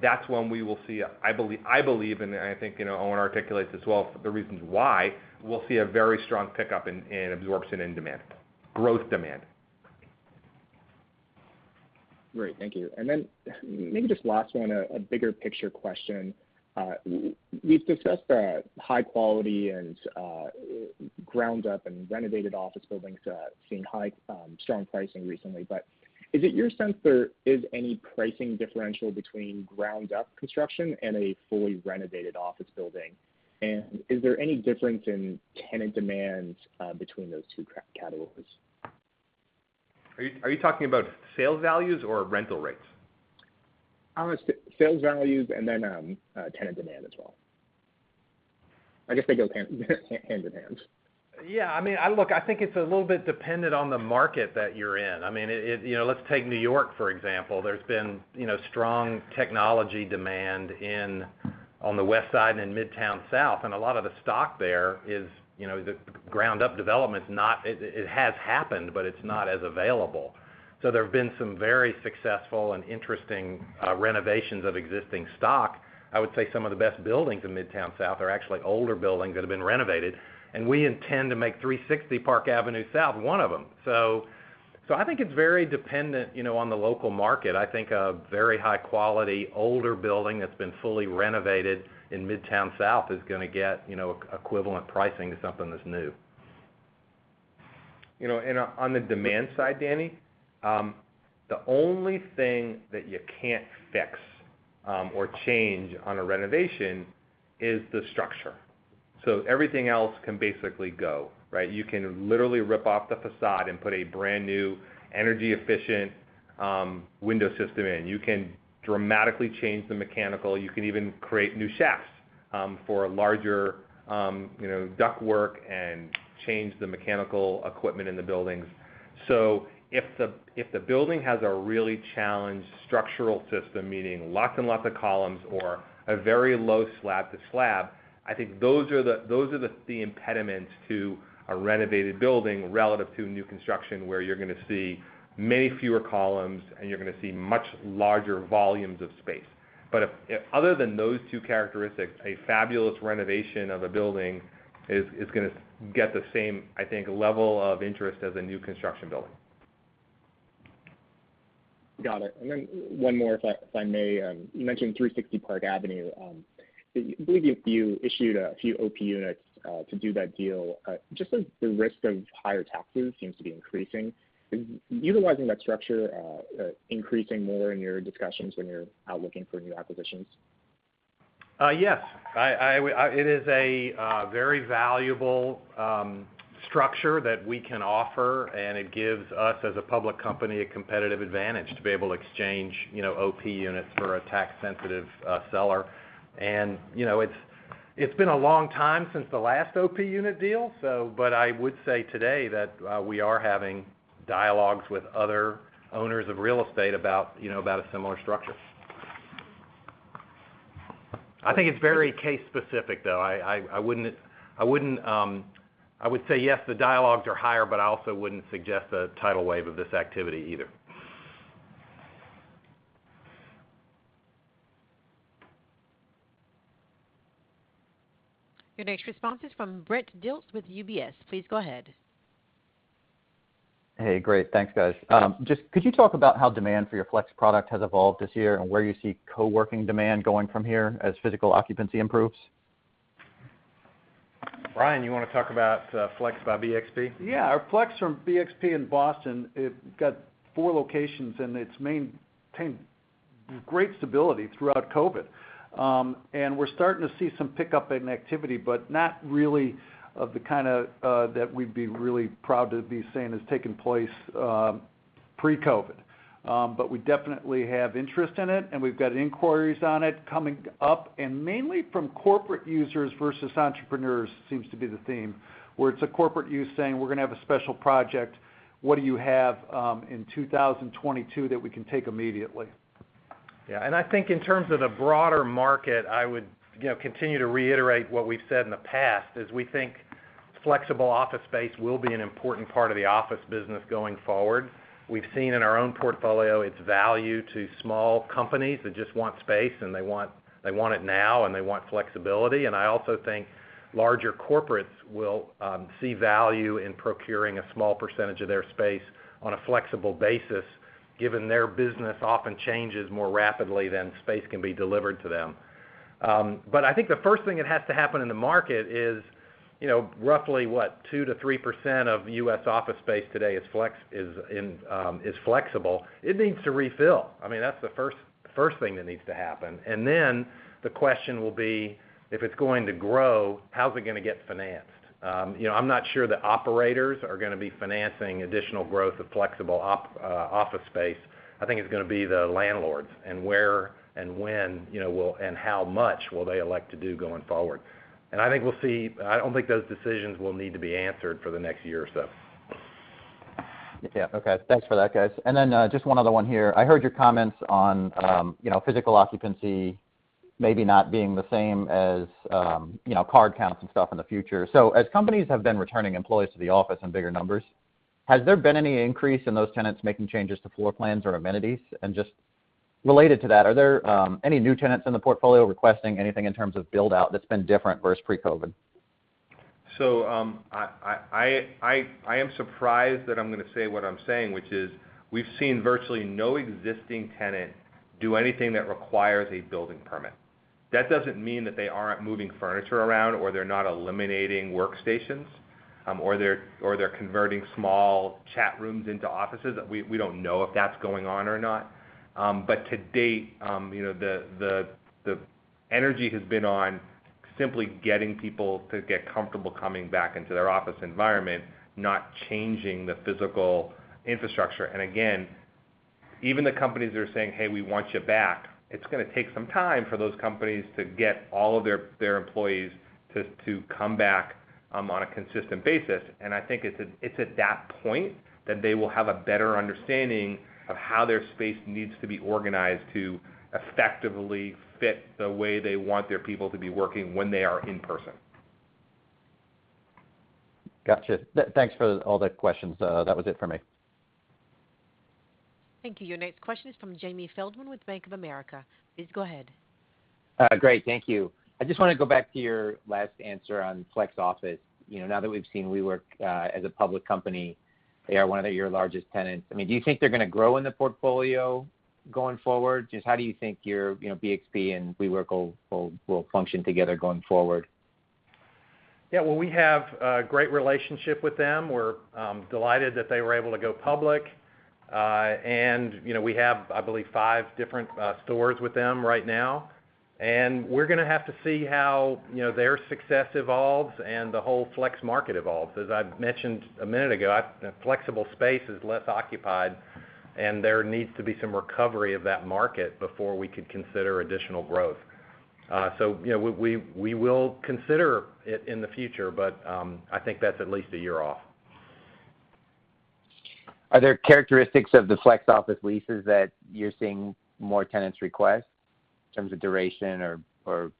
that's when we will see, I believe, and I think, you know, Owen articulates as well the reasons why, we'll see a very strong pickup in absorption and demand growth. Great. Thank you. Maybe just last one, a bigger picture question. We've discussed the high quality and ground up and renovated office buildings seeing high strong pricing recently. Is it your sense there is any pricing differential between ground up construction and a fully renovated office building? Is there any difference in tenant demand between those two categories? Are you talking about sales values or rental rates? Sales values and then, tenant demand as well. I guess they go hand in hand. Yeah. I mean, Look, I think it's a little bit dependent on the market that you're in. I mean, You know, let's take New York, for example. There's been, you know, strong technology demand on the West Side and in Midtown South, and a lot of the stock there is, you know, the ground up development has happened, but it's not as available. There have been some very successful and interesting renovations of existing stock. I would say some of the best buildings in Midtown South are actually older buildings that have been renovated, and we intend to make 360 Park Avenue South one of them. I think it's very dependent, you know, on the local market. I think a very high quality, older building that's been fully renovated in Midtown South is gonna get, you know, equivalent pricing to something that's new. You know, on the demand side, Danny, the only thing that you can't fix or change on a renovation is the structure. Everything else can basically go, right? You can literally rip off the facade and put a brand-new energy-efficient window system in. You can dramatically change the mechanical. You can even create new shafts for larger you know, duct work and change the mechanical equipment in the buildings. If the building has a really challenged structural system, meaning lots and lots of columns or a very low slab to slab, I think those are the impediments to a renovated building relative to new construction, where you're gonna see many fewer columns and you're gonna see much larger volumes of space. Other than those two characteristics, a fabulous renovation of a building is gonna get the same, I think, level of interest as a new construction building. Got it. Then one more, if I may. You mentioned 360 Park Avenue. I believe you issued a few OP units to do that deal. Just as the risk of higher taxes seems to be increasing, is utilizing that structure increasing more in your discussions when you're out looking for new acquisitions? Yes. It is a very valuable structure that we can offer, and it gives us, as a public company, a competitive advantage to be able to exchange, you know, OP units for a tax-sensitive seller. You know, it's been a long time since the last OP unit deal, so, but I would say today that we are having dialogues with other owners of real estate about, you know, a similar structure. I think it's very case specific, though. I would say, yes, the dialogues are higher, but I also wouldn't suggest a tidal wave of this activity either. Your next response is from Brent Dilts with UBS. Please go ahead. Hey, great. Thanks, guys. Just, could you talk about how demand for your flex product has evolved this year and where you see co-working demand going from here as physical occupancy improves? Bryan, you want to talk about Flex by BXP? Yeah. Our Flex by BXP in Boston, it got four locations, and it's maintained great stability throughout COVID. We're starting to see some pickup in activity, but not really of the kinda that we'd be really proud to be saying is taking place pre-COVID. But we definitely have interest in it, and we've got inquiries on it coming up, and mainly from corporate users versus entrepreneurs seems to be the theme, where it's a corporate user saying, "We're gonna have a special project. What do you have in 2022 that we can take immediately? Yeah. I think in terms of the broader market, I would, you know, continue to reiterate what we've said in the past, is we think flexible office space will be an important part of the office business going forward. We've seen in our own portfolio its value to small companies that just want space, and they want it now, and they want flexibility. I also think larger corporates will see value in procuring a small percentage of their space on a flexible basis, given their business often changes more rapidly than space can be delivered to them. I think the first thing that has to happen in the market is, you know, roughly 2%-3% of U.S. office space today is flexible. It needs to refill. I mean, that's the first thing that needs to happen. Then the question will be, if it's going to grow, how's it gonna get financed? You know, I'm not sure the operators are gonna be financing additional growth of flexible office space. I think it's gonna be the landlords, and where and when, you know, will, and how much will they elect to do going forward. I think we'll see. I don't think those decisions will need to be answered for the next year or so. Yeah. Okay. Thanks for that, guys. Just one other one here. I heard your comments on, you know, physical occupancy maybe not being the same as, you know, card counts and stuff in the future. As companies have been returning employees to the office in bigger numbers, has there been any increase in those tenants making changes to floor plans or amenities? Just related to that, are there any new tenants in the portfolio requesting anything in terms of build-out that's been different versus pre-COVID? I am surprised that I'm gonna say what I'm saying, which is we've seen virtually no existing tenant do anything that requires a building permit. That doesn't mean that they aren't moving furniture around, or they're not eliminating workstations, or they're converting small chat rooms into offices. We don't know if that's going on or not. To date, you know, the energy has been on simply getting people to get comfortable coming back into their office environment, not changing the physical infrastructure. Again, even the companies that are saying, "Hey, we want you back," it's gonna take some time for those companies to get all of their employees to come back on a consistent basis. I think it's at that point that they will have a better understanding of how their space needs to be organized to effectively fit the way they want their people to be working when they are in person. Gotcha. Thanks for all the questions. That was it for me. Thank you. Your next question is from Jamie Feldman with Bank of America. Please go ahead. Great. Thank you. I just want to go back to your last answer on flex office. You know, now that we've seen WeWork as a public company, they are one of your largest tenants. I mean, do you think they're gonna grow in the portfolio going forward? Just how do you think your, you know, BXP and WeWork will function together going forward? Yeah. Well, we have a great relationship with them. We're delighted that they were able to go public. You know, we have, I believe, five different stores with them right now. We're gonna have to see how, you know, their success evolves and the whole flex market evolves. As I've mentioned a minute ago, flexible space is less occupied, and there needs to be some recovery of that market before we could consider additional growth. So, you know, we will consider it in the future, but I think that's at least a year off. Are there characteristics of the flex office leases that you're seeing more tenants request in terms of duration or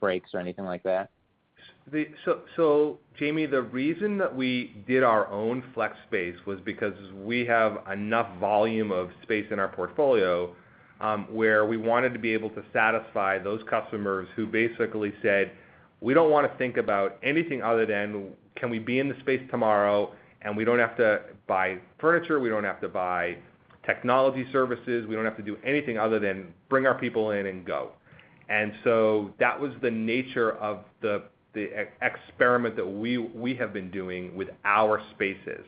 breaks or anything like that? Jamie, the reason that we did our own flex space was because we have enough volume of space in our portfolio, where we wanted to be able to satisfy those customers who basically said, "We don't want to think about anything other than can we be in the space tomorrow, and we don't have to buy furniture, we don't have to buy technology services, we don't have to do anything other than bring our people in and go." That was the nature of the experiment that we have been doing with our spaces.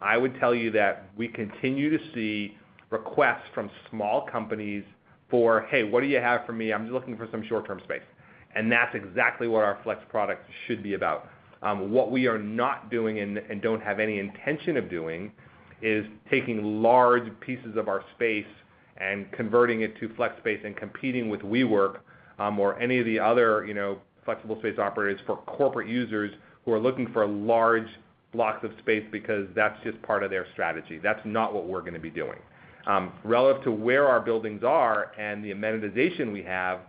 I would tell you that we continue to see requests from small companies for, "Hey, what do you have for me? I'm just looking for some short-term space." That's exactly what our flex product should be about. What we are not doing and don't have any intention of doing is taking large pieces of our space and converting it to flex space and competing with WeWork or any of the other, you know, flexible space operators for corporate users who are looking for large blocks of space because that's just part of their strategy. That's not what we're gonna be doing. Relative to where our buildings are and the amenitization we have,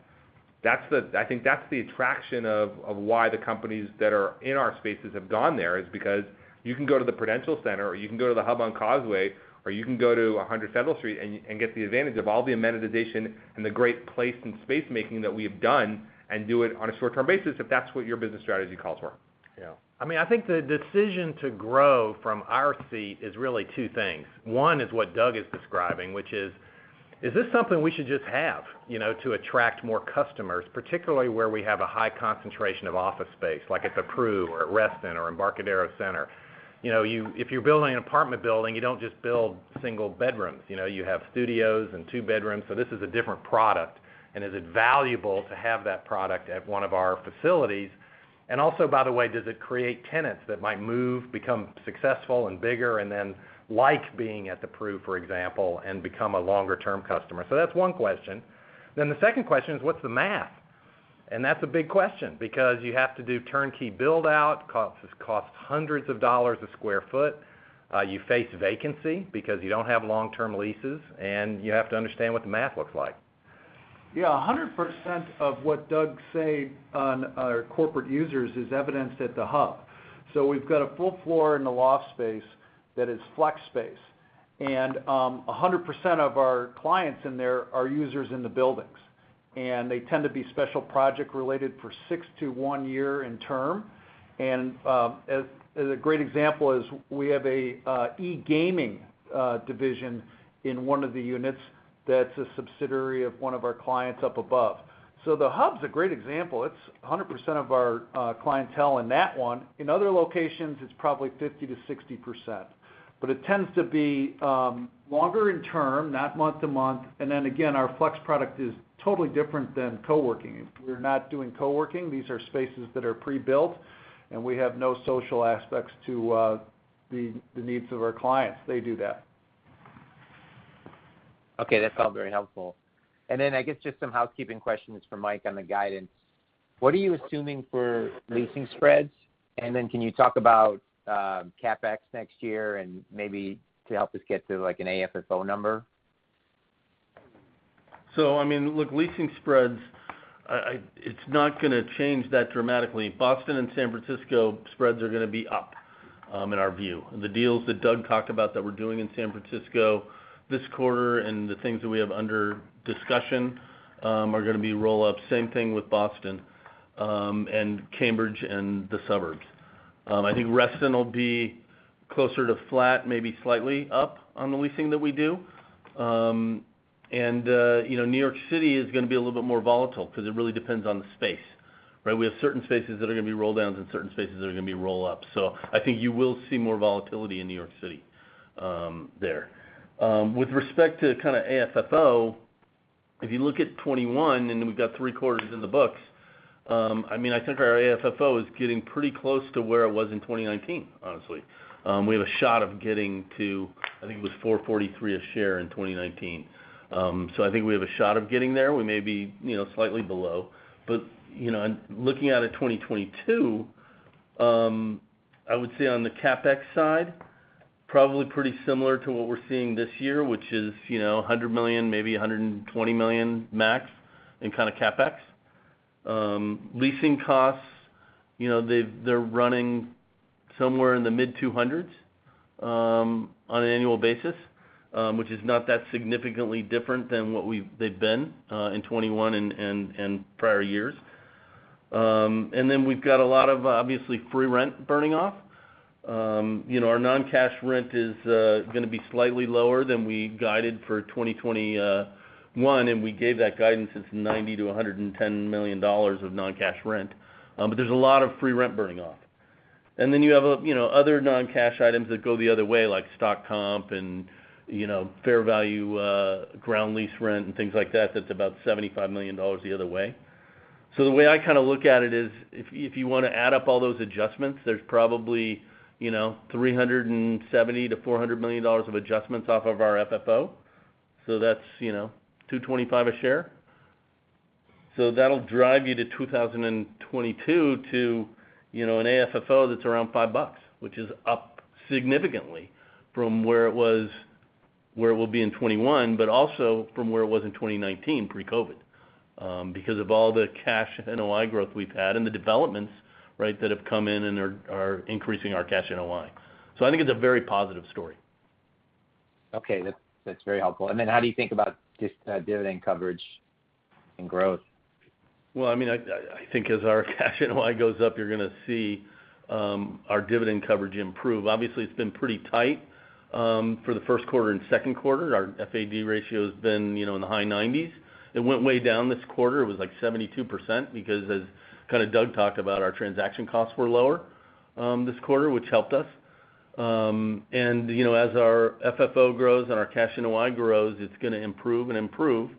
that's the—I think that's the attraction of why the companies that are in our spaces have gone there, is because you can go to the Prudential Center, or you can go to The Hub on Causeway, or you can go to 100 Federal Street and get the advantage of all the amenitization and the great place and space making that we have done and do it on a short-term basis if that's what your business strategy calls for. Yeah. I mean, I think the decision to grow from our seat is really two things. One is what Doug is describing, which is this something we should just have, you know, to attract more customers, particularly where we have a high concentration of office space, like at The Pru or at Reston or Embarcadero Center? You know, if you're building an apartment building, you don't just build single bedrooms. You know, you have studios and two bedrooms, so this is a different product, and is it valuable to have that product at one of our facilities? And also, by the way, does it create tenants that might move, become successful and bigger and then like being at The Pru, for example, and become a longer-term customer? That's one question. The second question is, what's the math? That's a big question because you have to do turnkey build out, cost $100 sq ft. You face vacancy because you don't have long-term leases, and you have to understand what the math looks like. Yeah, 100% of what Doug said on our corporate users is evidenced at The Hub. We've got a full floor in the loft space that is flex space. 100% of our clients in there are users in the buildings, and they tend to be special project related for six to one year in term. As a great example is we have a e-gaming division in one of the units that's a subsidiary of one of our clients up above. The Hub's a great example. It's 100% of our clientele in that one. In other locations, it's probably 50%-60%. It tends to be longer in term, not month to month. Our flex product is totally different than co-working. We're not doing co-working. These are spaces that are pre-built, and we have no social aspects to the needs of our clients. They do that. Okay, that's all very helpful. Then I guess just some housekeeping questions for Mike on the guidance. What are you assuming for leasing spreads? Then can you talk about, CapEx next year and maybe to help us get to like an AFFO number? I mean, look, leasing spreads, I, it's not gonna change that dramatically. Boston and San Francisco spreads are gonna be up, in our view. The deals that Doug talked about that we're doing in San Francisco this quarter and the things that we have under discussion, are gonna be roll-ups. Same thing with Boston, and Cambridge and the suburbs. I think Reston will be closer to flat, maybe slightly up on the leasing that we do. You know, New York City is gonna be a little bit more volatile because it really depends on the space, right? We have certain spaces that are gonna be roll downs and certain spaces that are gonna be roll ups. I think you will see more volatility in New York City, there. With respect to kind of AFFO, if you look at 2021, and then we've got Q3 in the books, I mean, I think our AFFO is getting pretty close to where it was in 2019, honestly. We have a shot of getting to, I think it was $4.43 a share in 2019. So I think we have a shot of getting there. We may be, you know, slightly below. You know, and looking out at 2022, I would say on the CapEx side. Probably pretty similar to what we're seeing this year, which is, you know, 100 million, maybe 120 million max in kind of CapEx. Leasing costs, you know, they're running somewhere in the mid-200s on an annual basis, which is not that significantly different than what they've been in 2021 and prior years. We've got a lot of, obviously, free rent burning off. You know, our non-cash rent is gonna be slightly lower than we guided for 2021, and we gave that guidance. It's $90 million-$110 million of non-cash rent. But there's a lot of free rent burning off. Then you have, you know, other non-cash items that go the other way, like stock comp and, you know, fair value, ground lease rent and things like that's about $75 million the other way. The way I kind of look at it is, if you want to add up all those adjustments, there's probably, you know, $370 million-$400 million of adjustments off of our FFO. That's, you know, $2.25 a share. That'll drive you to 2022 to, you know, an AFFO that's around $5, which is up significantly from where it will be in 2021, but also from where it was in 2019 pre-COVID, because of all the cash NOI growth we've had and the developments, right, that have come in and are increasing our cash NOI. I think it's a very positive story. Okay. That's very helpful. How do you think about just dividend coverage and growth? Well, I mean, I think as our cash NOI goes up, you're gonna see our dividend coverage improve. Obviously, it's been pretty tight for the Q1 andQ2. Our FAD ratio has been, you know, in the high 90s. It went way down this quarter. It was like 72% because as kind of Doug talked about, our transaction costs were lower this quarter, which helped us. You know, as our FFO grows and our cash NOI grows, it's gonna improve and improve.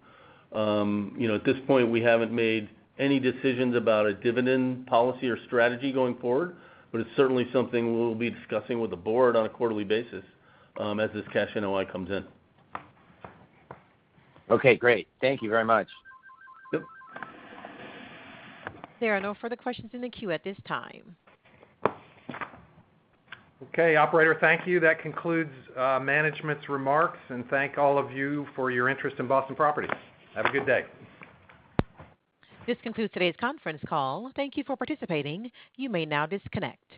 You know, at this point, we haven't made any decisions about a dividend policy or strategy going forward, but it's certainly something we'll be discussing with the board on a quarterly basis as this cash NOI comes in. Okay, great. Thank you very much. Yep. There are no further questions in the queue at this time. Okay, operator, thank you. That concludes management's remarks, and thank all of you for your interest in Boston Properties. Have a good day. This concludes today's conference call. Thank you for participating. You may now disconnect.